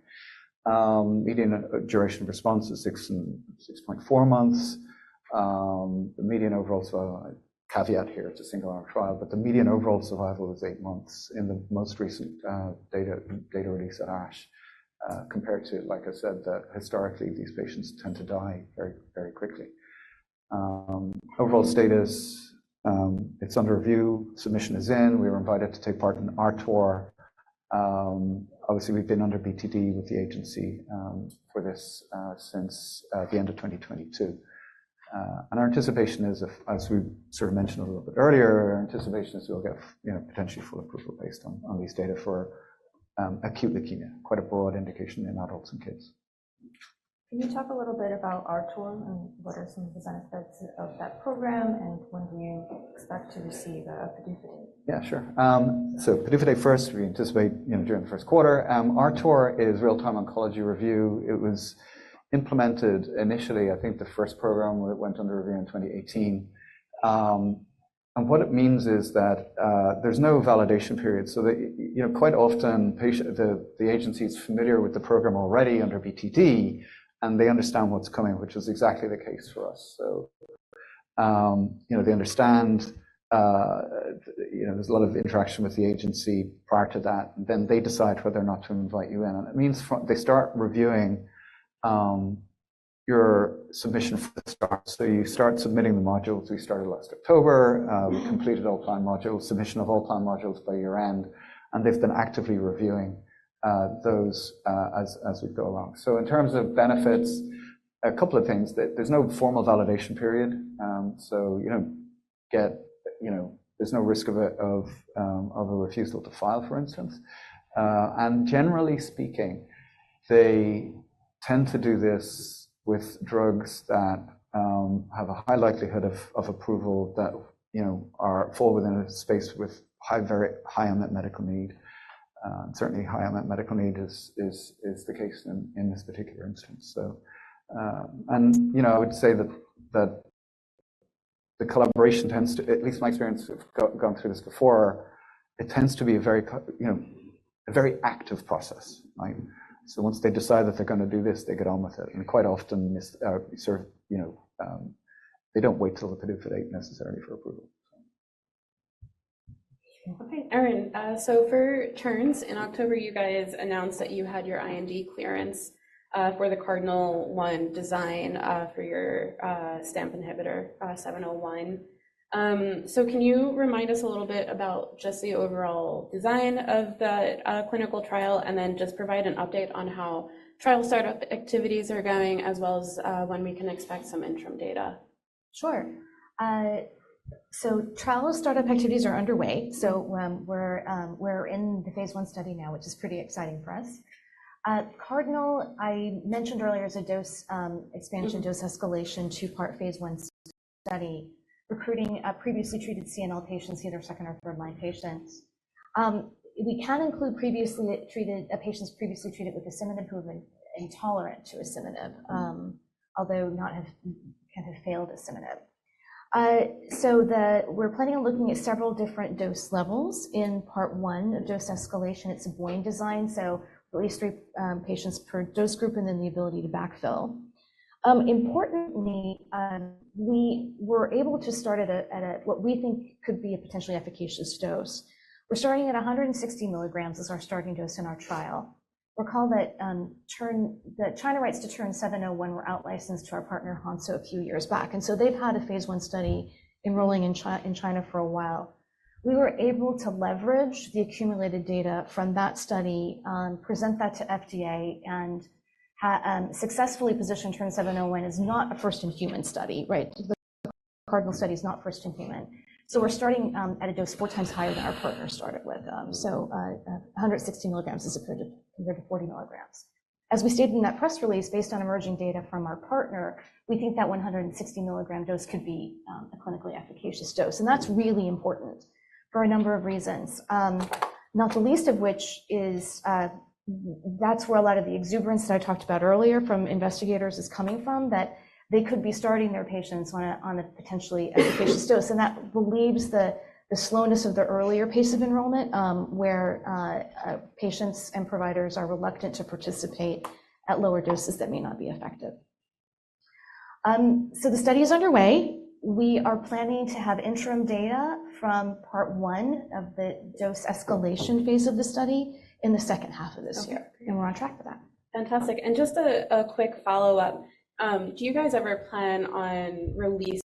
Median duration of response is 6.4 months. The median overall caveat here, it's a single-arm trial, but the median overall survival is eight months in the most recent data release at ASH compared to, like I said, that historically, these patients tend to die very, very quickly. Overall status, it's under review. Submission is in. We were invited to take part in RTOR. Obviously, we've been under BTD with the agency for this since the end of 2022. Our anticipation is, as we sort of mentioned a little bit earlier, our anticipation is we'll get potentially full approval based on these data for acute leukemia, quite a broad indication in adults and kids. Can you talk a little bit about our trial and what are some of the benefits of that program, and when do you expect to receive a PDUFA date? Yeah, sure. So PDUFA date first, we anticipate during the first quarter. Our RTOR is real-time oncology review. It was implemented initially, I think the first program went under review in 2018. And what it means is that there's no validation period. So quite often, the agency is familiar with the program already under BTD, and they understand what's coming, which is exactly the case for us. So they understand there's a lot of interaction with the agency prior to that. Then they decide whether or not to invite you in. And it means they start reviewing your submission for the start. So you start submitting the modules. We started last October. We completed all planned modules, submission of all planned modules by year-end. And they've been actively reviewing those as we go along. So in terms of benefits, a couple of things. There's no formal validation period. So there's no risk of a refusal to file, for instance. And generally speaking, they tend to do this with drugs that have a high likelihood of approval that fall within a space with high unmet medical need. Certainly, high unmet medical need is the case in this particular instance, so. And I would say that the collaboration tends to, at least my experience of gone through this before, it tends to be a very active process, right? So once they decide that they're going to do this, they get on with it. And quite often, they don't wait till the PDUFA date necessarily for approval, so. Okay, Erin. So for Terns, in October, you guys announced that you had your IND clearance for the CARDINAL-1 design for your STAMP inhibitor TERN-701. So can you remind us a little bit about just the overall design of the clinical trial and then just provide an update on how trial startup activities are going, as well as when we can expect some interim data? Sure. So trial startup activities are underway. So we're in the phase 1 study now, which is pretty exciting for us. CARDINAL, I mentioned earlier, is a dose expansion, dose escalation, two-part phase 1 study, recruiting previously treated CML patients, either second or third-line patients. We can include a patient previously treated with a TKI who have been intolerant to a TKI, although not have kind of failed a TKI. So we're planning on looking at several different dose levels in part one of dose escalation. It's a BOIN design, so at least 3 patients per dose group and then the ability to backfill. Importantly, we were able to start at what we think could be a potentially efficacious dose. We're starting at 160 mg as our starting dose in our trial. Recall that China rights to TERN-701 were outlicensed to our partner, Hansoh, a few years back. So they've had a phase 1 study enrolling in China for a while. We were able to leverage the accumulated data from that study, present that to FDA, and successfully position TERN-701 as not a first-in-human study, right? The CARDINAL study is not first-in-human. We're starting at a dose 4 times higher than our partner started with. 160 mg is compared to 40 mg. As we stated in that press release, based on emerging data from our partner, we think that 160 mg dose could be a clinically efficacious dose. That's really important for a number of reasons, not the least of which is that's where a lot of the exuberance that I talked about earlier from investigators is coming from, that they could be starting their patients on a potentially efficacious dose. That relieves the slowness of the earlier pace of enrollment, where patients and providers are reluctant to participate at lower doses that may not be effective. The study is underway. We are planning to have interim data from part one of the dose escalation phase of the study in the second half of this year. We're on track for that. Fantastic. Just a quick follow-up, do you guys ever plan on releasing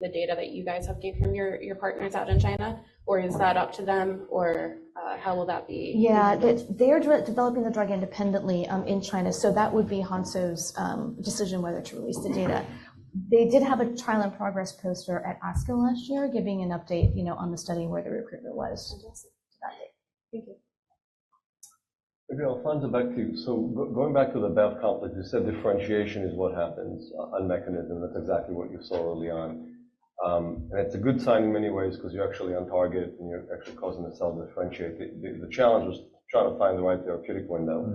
the data that you guys have gained from your partners out in China, or is that up to them, or how will that be? Yeah, they're developing the drug independently in China. So that would be Hansoh's decision whether to release the data. They did have a trial-in-progress poster at ASCO last year giving an update on the study and where the recruitment was to that date. Thank you. Gabrielle, good to hand back to you. So going back to the BAF complex, you said differentiation is what happens on mechanism. That's exactly what you saw early on. And it's a good sign in many ways because you're actually on target, and you're actually causing the cell to differentiate. The challenge was trying to find the right therapeutic window.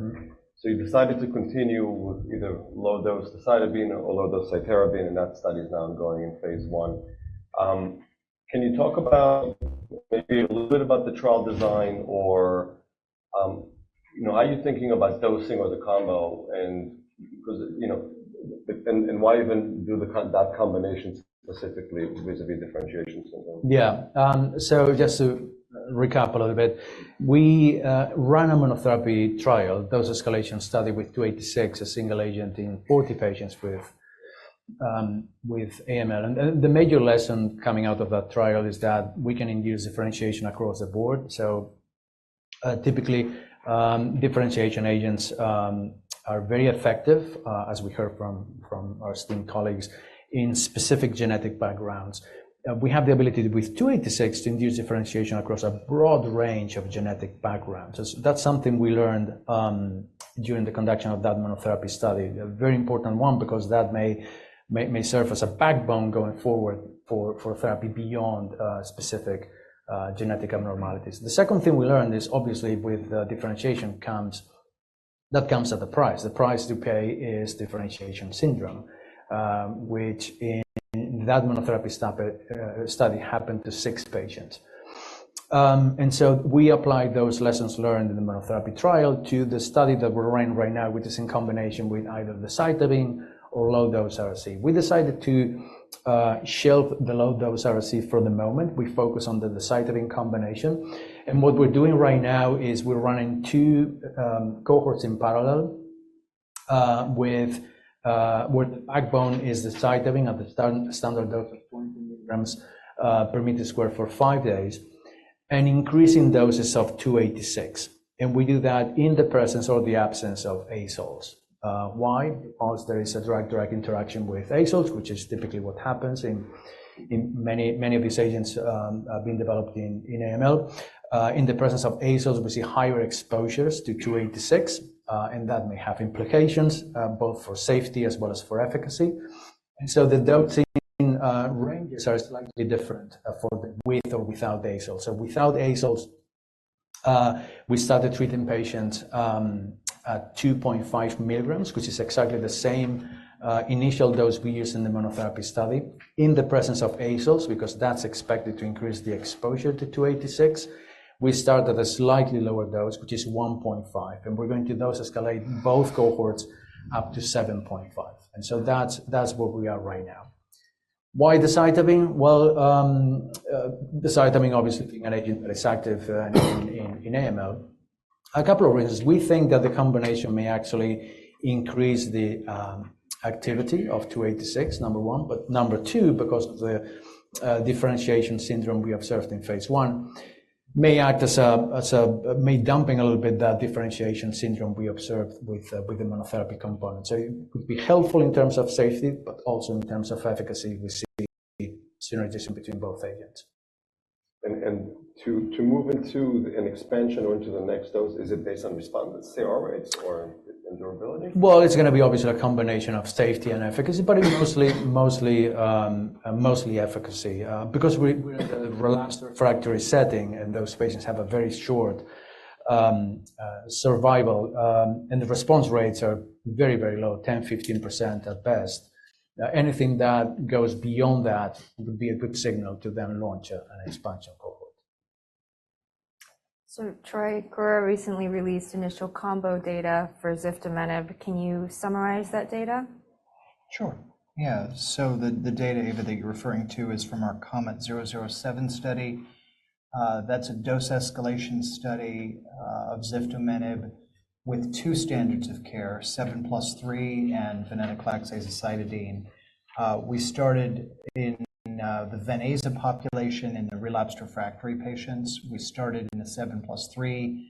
So you decided to continue with either low-dose cytarabine or low-dose cytarabine, and that study is now ongoing in phase one. Can you talk maybe a little bit about the trial design or how you're thinking about dosing or the combo and why even do that combination specifically vis-à-vis differentiation syndrome? Yeah. So just to recap a little bit, we run a monotherapy trial, dose escalation study with 286, a single agent in 40 patients with AML. And the major lesson coming out of that trial is that we can induce differentiation across the board. So typically, differentiation agents are very effective, as we heard from our esteemed colleagues, in specific genetic backgrounds. We have the ability with 286 to induce differentiation across a broad range of genetic backgrounds. That's something we learned during the conduction of that monotherapy study, a very important one because that may serve as a backbone going forward for therapy beyond specific genetic abnormalities. The second thing we learned is, obviously, with differentiation, that comes at a price. The price to pay is differentiation syndrome, which in that monotherapy study happened to 6 patients. We applied those lessons learned in the monotherapy trial to the study that we're running right now, which is in combination with either cytarabine or low-dose ara-C. We decided to shelve the low-dose ara-C for the moment. We focus on the cytarabine combination. What we're doing right now is we're running 2 cohorts in parallel where the backbone is cytarabine at the standard dose of 20 mg/m² for 5 days and increasing doses of 286. We do that in the presence or the absence of azoles. Why? Because there is a drug-drug interaction with azoles, which is typically what happens in many of these agents being developed in AML. In the presence of azoles, we see higher exposures to 286, and that may have implications both for safety as well as for efficacy. And so the dosing ranges are slightly different for those with or without azoles So without azoles, we started treating patients at 2.5 milligrams, which is exactly the same initial dose we used in the monotherapy study. In the presence of azoles, because that's expected to increase the exposure to 286, we started at a slightly lower dose, which is 1.5. And we're going to dose escalate both cohorts up to 7.5. And so that's where we are right now. Why the cytarabine? Well, the cytarabine, obviously, being an agent that is active in AML, a couple of reasons. We think that the combination may actually increase the activity of 286, number one. But number two, because of the differentiation syndrome we observed in phase 1, may act as a way of dampening a little bit that differentiation syndrome we observed with the monotherapy component. So it could be helpful in terms of safety, but also in terms of efficacy with synergism between both agents. To move into an expansion or into the next dose, is it based on respondents, CR rates, or endurability? Well, it's going to be, obviously, a combination of safety and efficacy, but mostly efficacy because we're in a relapsed/refractory setting, and those patients have a very short survival. The response rates are very, very low, 10%-15% at best. Anything that goes beyond that would be a good signal to then launch an expansion cohort. So Troy Wilson recently released initial combo data for ziftomenib. Can you summarize that data? Sure. Yeah. So the data, Ava, that you're referring to is from our KOMET-007 study. That's a dose escalation study of ziftomenib with two standards of care, 7+3 and venetoclax + azacitidine. We started in the VenAza population in the relapse refractory patients. We started in the 7+3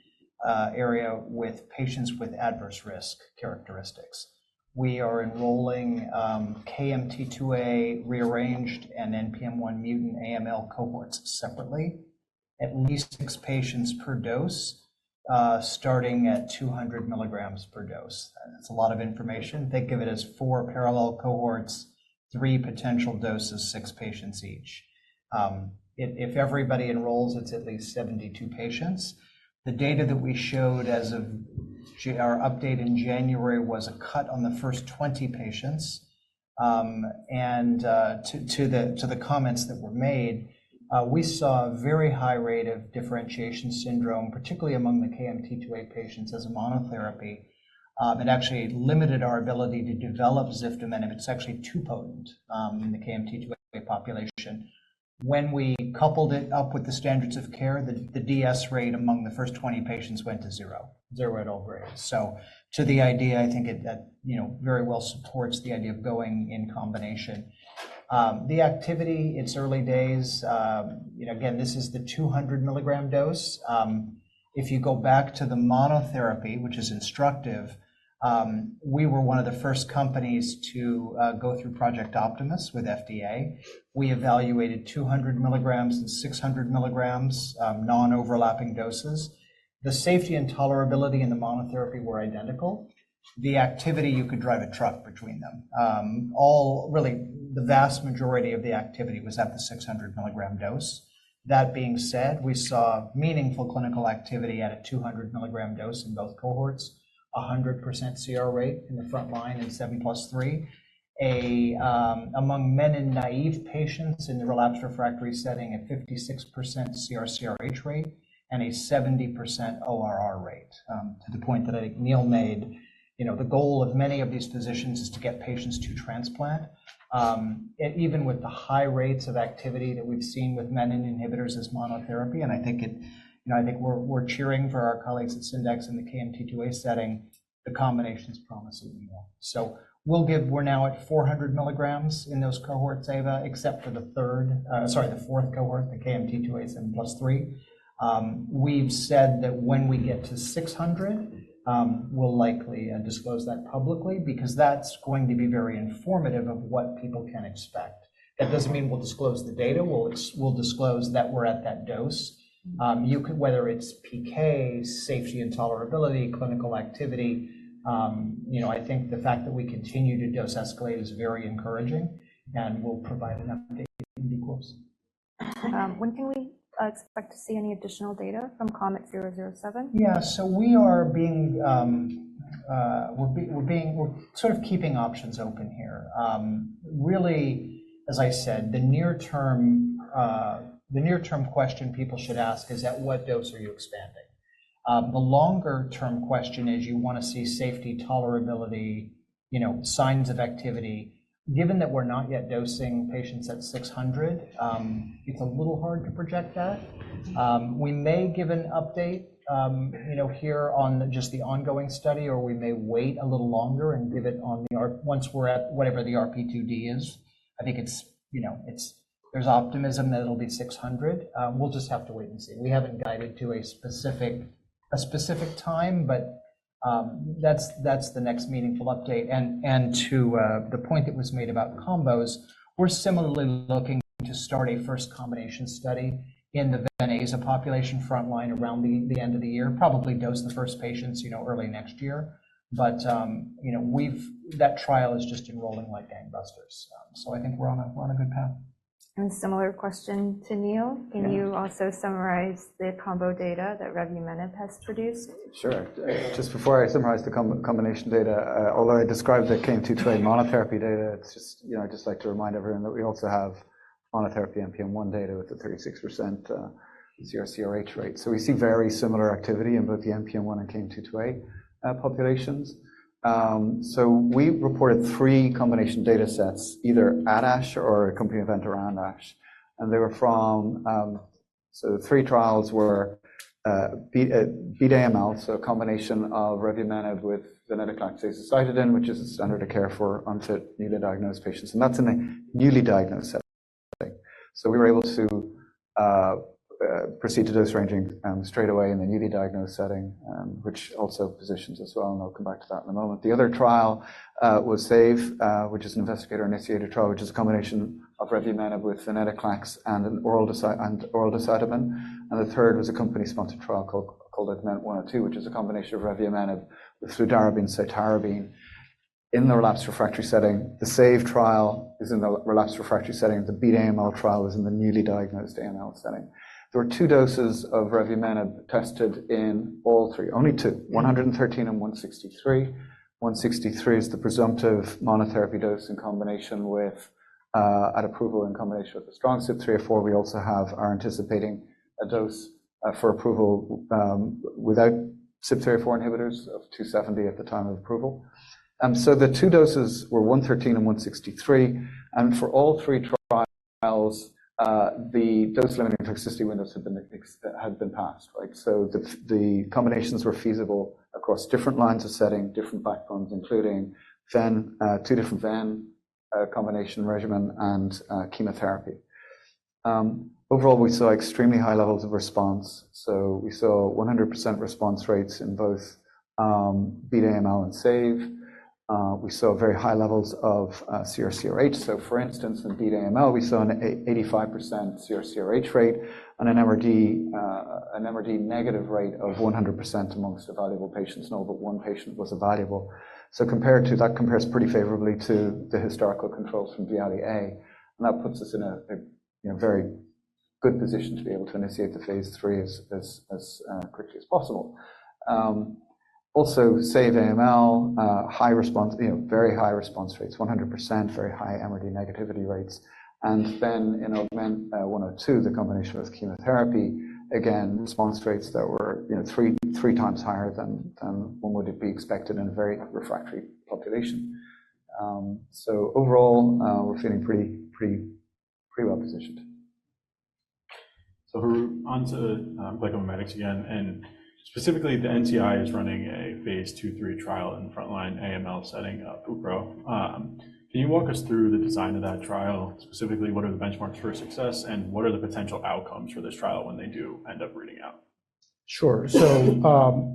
area with patients with adverse risk characteristics. We are enrolling KMT2A rearranged and NPM1 mutant AML cohorts separately, at least six patients per dose starting at 200 milligrams per dose. That's a lot of information. They give it as four parallel cohorts, three potential doses, six patients each. If everybody enrolls, it's at least 72 patients. The data that we showed as of our update in January was a cut on the first 20 patients. And to the comments that were made, we saw a very high rate of differentiation syndrome, particularly among the KMT2A patients, as a monotherapy. It actually limited our ability to develop ziftomenib. It's actually too potent in the KMT2A population. When we coupled it up with the standards of care, the DS rate among the first 20 patients went to 0, 0 at all grades. So, too, the idea, I think it very well supports the idea of going in combination. The activity, it's early days. Again, this is the 200 milligram dose. If you go back to the monotherapy, which is instructive, we were one of the first companies to go through Project Optimus with FDA. We evaluated 200 milligrams and 600 milligrams, non-overlapping doses. The safety and tolerability in the monotherapy were identical. The activity, you could drive a truck between them. Really, the vast majority of the activity was at the 600 milligram dose. That being said, we saw meaningful clinical activity at a 200 mg dose in both cohorts, 100% CR rate in the frontline in 7+3, among menin-naive patients in the relapsed/refractory setting at 56% CR/CRH rate and a 70% ORR rate, to the point that I think Neil mentioned the goal of many of these physicians is to get patients to transplant. Even with the high rates of activity that we've seen with menin inhibitors as monotherapy, and I think we're cheering for our colleagues at Syndax in the KMT2A setting, the combinations promise even more. So we're now at 400 mg in those cohorts, A, B, except for the third sorry, the fourth cohort, the KMT2A 7+3. We've said that when we get to 600, we'll likely disclose that publicly because that's going to be very informative of what people can expect. That doesn't mean we'll disclose the data. We'll disclose that we're at that dose, whether it's PK, safety and tolerability, clinical activity. I think the fact that we continue to dose escalate is very encouraging, and we'll provide an update in the course. When can we expect to see any additional data from COMET 007? Yeah. So we're sort of keeping options open here. Really, as I said, the near-term question people should ask is, "At what dose are you expanding?" The longer-term question is, "You want to see safety, tolerability, signs of activity." Given that we're not yet dosing patients at 600, it's a little hard to project that. We may give an update here on just the ongoing study, or we may wait a little longer and give it once we're at whatever the RP2D is. I think there's optimism that it'll be 600. We'll just have to wait and see. We haven't guided to a specific time, but that's the next meaningful update. To the point that was made about combos, we're similarly looking to start a first combination study in the VenAza population frontline around the end of the year, probably dose the first patients early next year. That trial is just enrolling like gangbusters. I think we're on a good path. Similar question to Neil. Can you also summarize the combo data that revumenib has produced? Sure. Just before I summarize the combination data, although I described the KMT2A monotherapy data, I'd just like to remind everyone that we also have monotherapy NPM1 data with the 36% CR/CRH rate. So we see very similar activity in both the NPM1 and KMT2A populations. So we reported three combination datasets, either at ASH or a combination event around at ASH. And they were from so the three trials were BEAT-AML, so a combination of Revumenib with venetoclax and azacitidine, which is a standard of care for unfit newly diagnosed patients. And that's in the newly diagnosed setting. So we were able to proceed to dose ranging straight away in the newly diagnosed setting, which also positions as well. And I'll come back to that in a moment. The other trial was SAVE, which is an investigator-initiated trial, which is a combination of Revumenib with venetoclax and oral decitabine. The third was a company-sponsored trial called AUGMENT-102, which is a combination of revumenib with fludarabine and cytarabine in the relapse refractory setting. The SAVE trial is in the relapse refractory setting. The BEAT-AML trial is in the newly diagnosed AML setting. There were 2 doses of revumenib tested in all three, only 2, 113 and 163. 163 is the presumptive monotherapy dose in combination with at approval in combination with the strong CYP3A4. We also have our anticipating a dose for approval without CYP3A4 inhibitors of 270 at the time of approval. So the 2 doses were 113 and 163. And for all three trials, the dose-limiting toxicity windows had been passed. So the combinations were feasible across different lines of setting, different backbones, including 2 different VEN combination regimen and chemotherapy. Overall, we saw extremely high levels of response. So we saw 100% response rates in both BEAT-AML and SAVE. We saw very high levels of CR/CRH. So for instance, in BEAT-AML, we saw an 85% CR/CRH rate and an MRD-negative rate of 100% among evaluable patients. No, but 1 patient was evaluable. So that compares pretty favorably to the historical controls from VIALE-A. And that puts us in a very good position to be able to initiate the phase 3 as quickly as possible. Also, SAVE-AML, very high response rates, 100%, very high MRD-negativity rates. And then in Augment 102, the combination with chemotherapy, again, response rates that were 3 times higher than one would be expected in a very refractory population. So overall, we're feeling pretty well positioned. On to GlycoMimetics again. Specifically, the NCI is running a phase 2/3 trial in the frontline AML setting with uproleselan. Can you walk us through the design of that trial? Specifically, what are the benchmarks for success, and what are the potential outcomes for this trial when they do end up reading out? Sure. So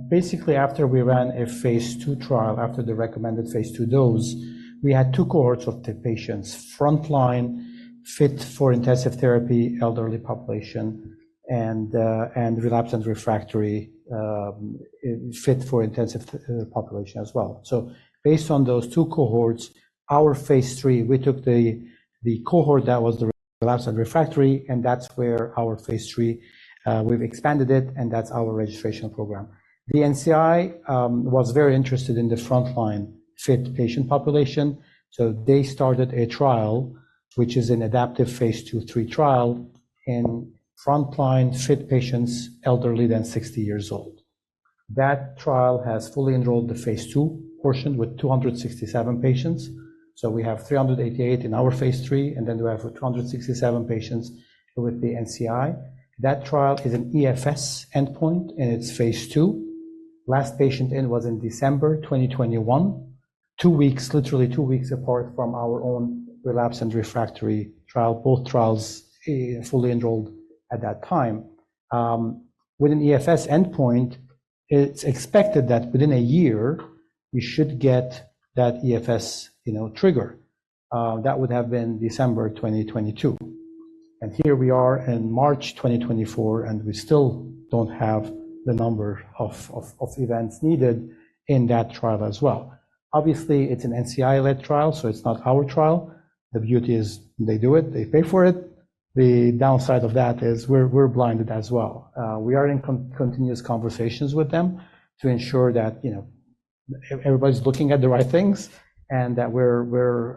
basically, after we ran a phase 2 trial, after the recommended phase 2 dose, we had 2 cohorts of patients: front line, fit for intensive therapy, elderly population, and relapse and refractory, fit for intensive population as well. So based on those 2 cohorts, our phase 3, we took the cohort that was the relapse and refractory, and that's where our phase 3 we've expanded it, and that's our registration program. The NCI was very interested in the front line, fit patient population. So they started a trial, which is an adaptive phase 2/3 trial in front line, fit patients, elderly than 60 years old. That trial has fully enrolled the phase 2 portion with 267 patients. So we have 388 in our phase 3, and then we have 267 patients with the NCI. That trial is an EFS endpoint, and it's phase 2. Last patient in was in December 2021, literally two weeks apart from our own relapse and refractory trial, both trials fully enrolled at that time. With an EFS endpoint, it's expected that within a year, we should get that EFS trigger. That would have been December 2022. And here we are in March 2024, and we still don't have the number of events needed in that trial as well. Obviously, it's an NCI-led trial, so it's not our trial. The beauty is they do it. They pay for it. The downside of that is we're blinded as well. We are in continuous conversations with them to ensure that everybody's looking at the right things and that we're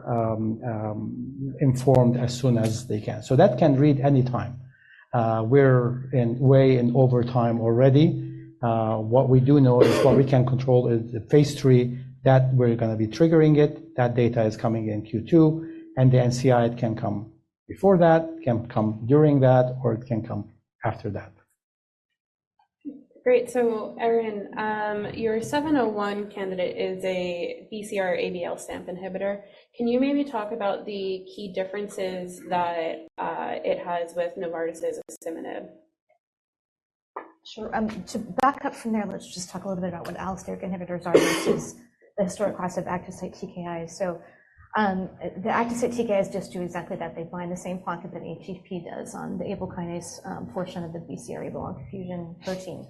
informed as soon as they can. So that can read anytime. We're way in overtime already. What we do know is what we can control is the phase three that we're going to be triggering it. That data is coming in Q2, and the NCI, it can come before that, it can come during that, or it can come after that. Great. So Erin, your 701 candidate is a BCR-ABL STAMP inhibitor. Can you maybe talk about the key differences that it has with Novartis's asciminib? Sure. To back up from there, let's just talk a little bit about what allosteric inhibitors are versus the historic class of active site TKIs. So the active site TKIs just do exactly that. They bind the same pocket that ATP does on the kinase portion of the BCR-ABL fusion protein.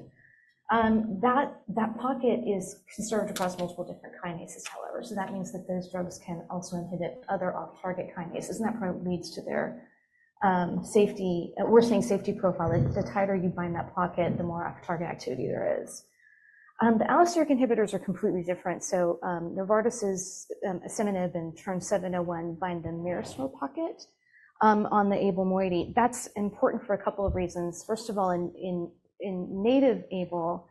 That pocket is conserved across multiple different kinases, however. So that means that those drugs can also inhibit other off-target kinases, and that probably leads to their safety—or rather, safety profile. The tighter you bind that pocket, the more off-target activity there is. The allosteric inhibitors are completely different. So Novartis's asciminib and TERN-701 bind the myristoyl pocket on the ABL domain. That's important for a couple of reasons. First of all, in native ABL,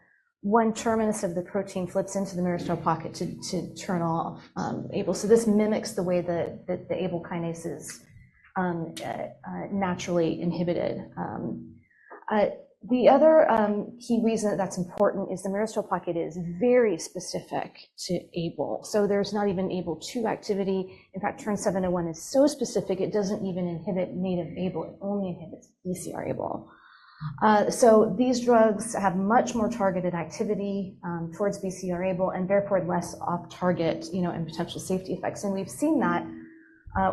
one terminus of the protein flips into the myristoyl pocket to turn off ABL. So this mimics the way that the ABL kinase is naturally inhibited. The other key reason that's important is the myristoyl pocket is very specific to ABL. So there's not even ABL2 activity. In fact, TERN-701 is so specific, it doesn't even inhibit native ABL. It only inhibits BCR-ABL. So these drugs have much more targeted activity towards BCR-ABL and therefore less off-target and potential safety effects. And we've seen that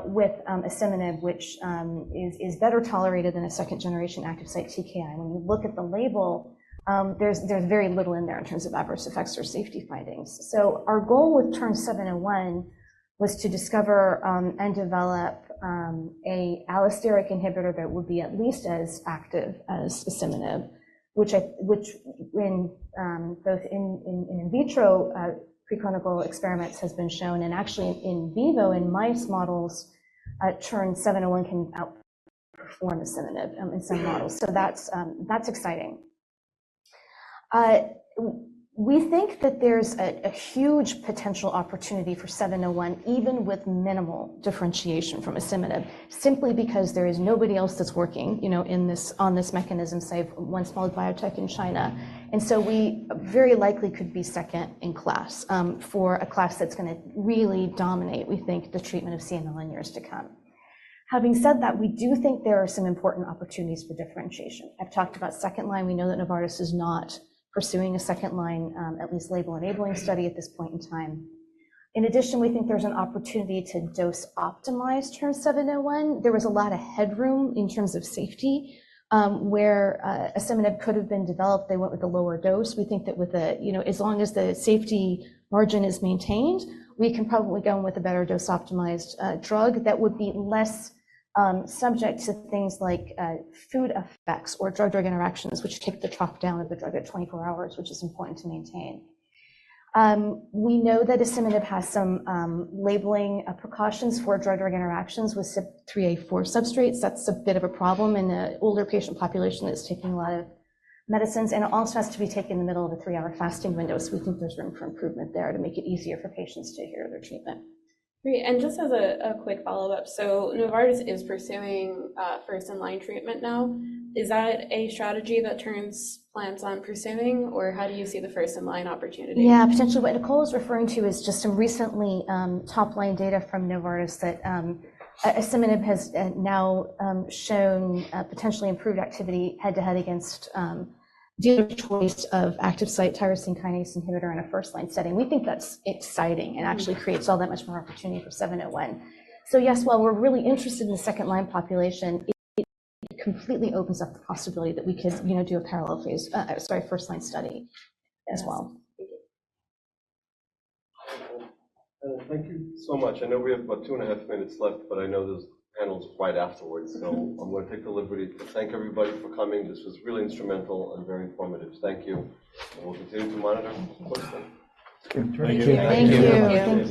with asciminib, which is better tolerated than a second-generation active site TKI. When you look at the label, there's very little in there in terms of adverse effects or safety findings. So our goal with TERN-701 was to discover and develop an allosteric inhibitor that would be at least as active as asciminib, which in both in vitro preclinical experiments has been shown. And actually, in vivo, in mice models, TERN-701 can outperform asciminib in some models. So that's exciting. We think that there's a huge potential opportunity for 701 even with minimal differentiation from asciminib simply because there is nobody else that's working on this mechanism save one small biotech in China. And so we very likely could be second in class for a class that's going to really dominate, we think, the treatment of CML in years to come. Having said that, we do think there are some important opportunities for differentiation. I've talked about second line. We know that Novartis is not pursuing a second line, at least label-enabling study at this point in time. In addition, we think there's an opportunity to dose-optimize TERN-701. There was a lot of headroom in terms of safety where asciminib could have been developed. They went with a lower dose. We think that as long as the safety margin is maintained, we can probably go with a better dose-optimized drug that would be less subject to things like food effects or drug-drug interactions, which kick the trough down of the drug at 24 hours, which is important to maintain. We know that asciminib has some labeling precautions for drug-drug interactions with CYP3A4 substrates. That's a bit of a problem in the older patient population that's taking a lot of medicines. It also has to be taken in the middle of a three-hour fasting window. We think there's room for improvement there to make it easier for patients to adhere to their treatment. Great. Just as a quick follow-up, so Novartis is pursuing first-line treatment now. Is that a strategy that Terns plans on pursuing, or how do you see the first-line opportunity? Yeah. Potentially, what Nicole is referring to is just some recently top-line data from Novartis that asciminib has now shown potentially improved activity head-to-head against the choice of active site tyrosine kinase inhibitor in a first-line setting. We think that's exciting and actually creates all that much more opportunity for 701. So yes, while we're really interested in the second-line population, it completely opens up the possibility that we could do a parallel phase sorry, first-line study as well. Thank you so much. I know we have about 2.5 minutes left, but I know there's panels right afterwards. So I'm going to take the liberty to thank everybody for coming. This was really instrumental and very informative. Thank you. And we'll continue to monitor closely. Thank you. Thank you. Thank you.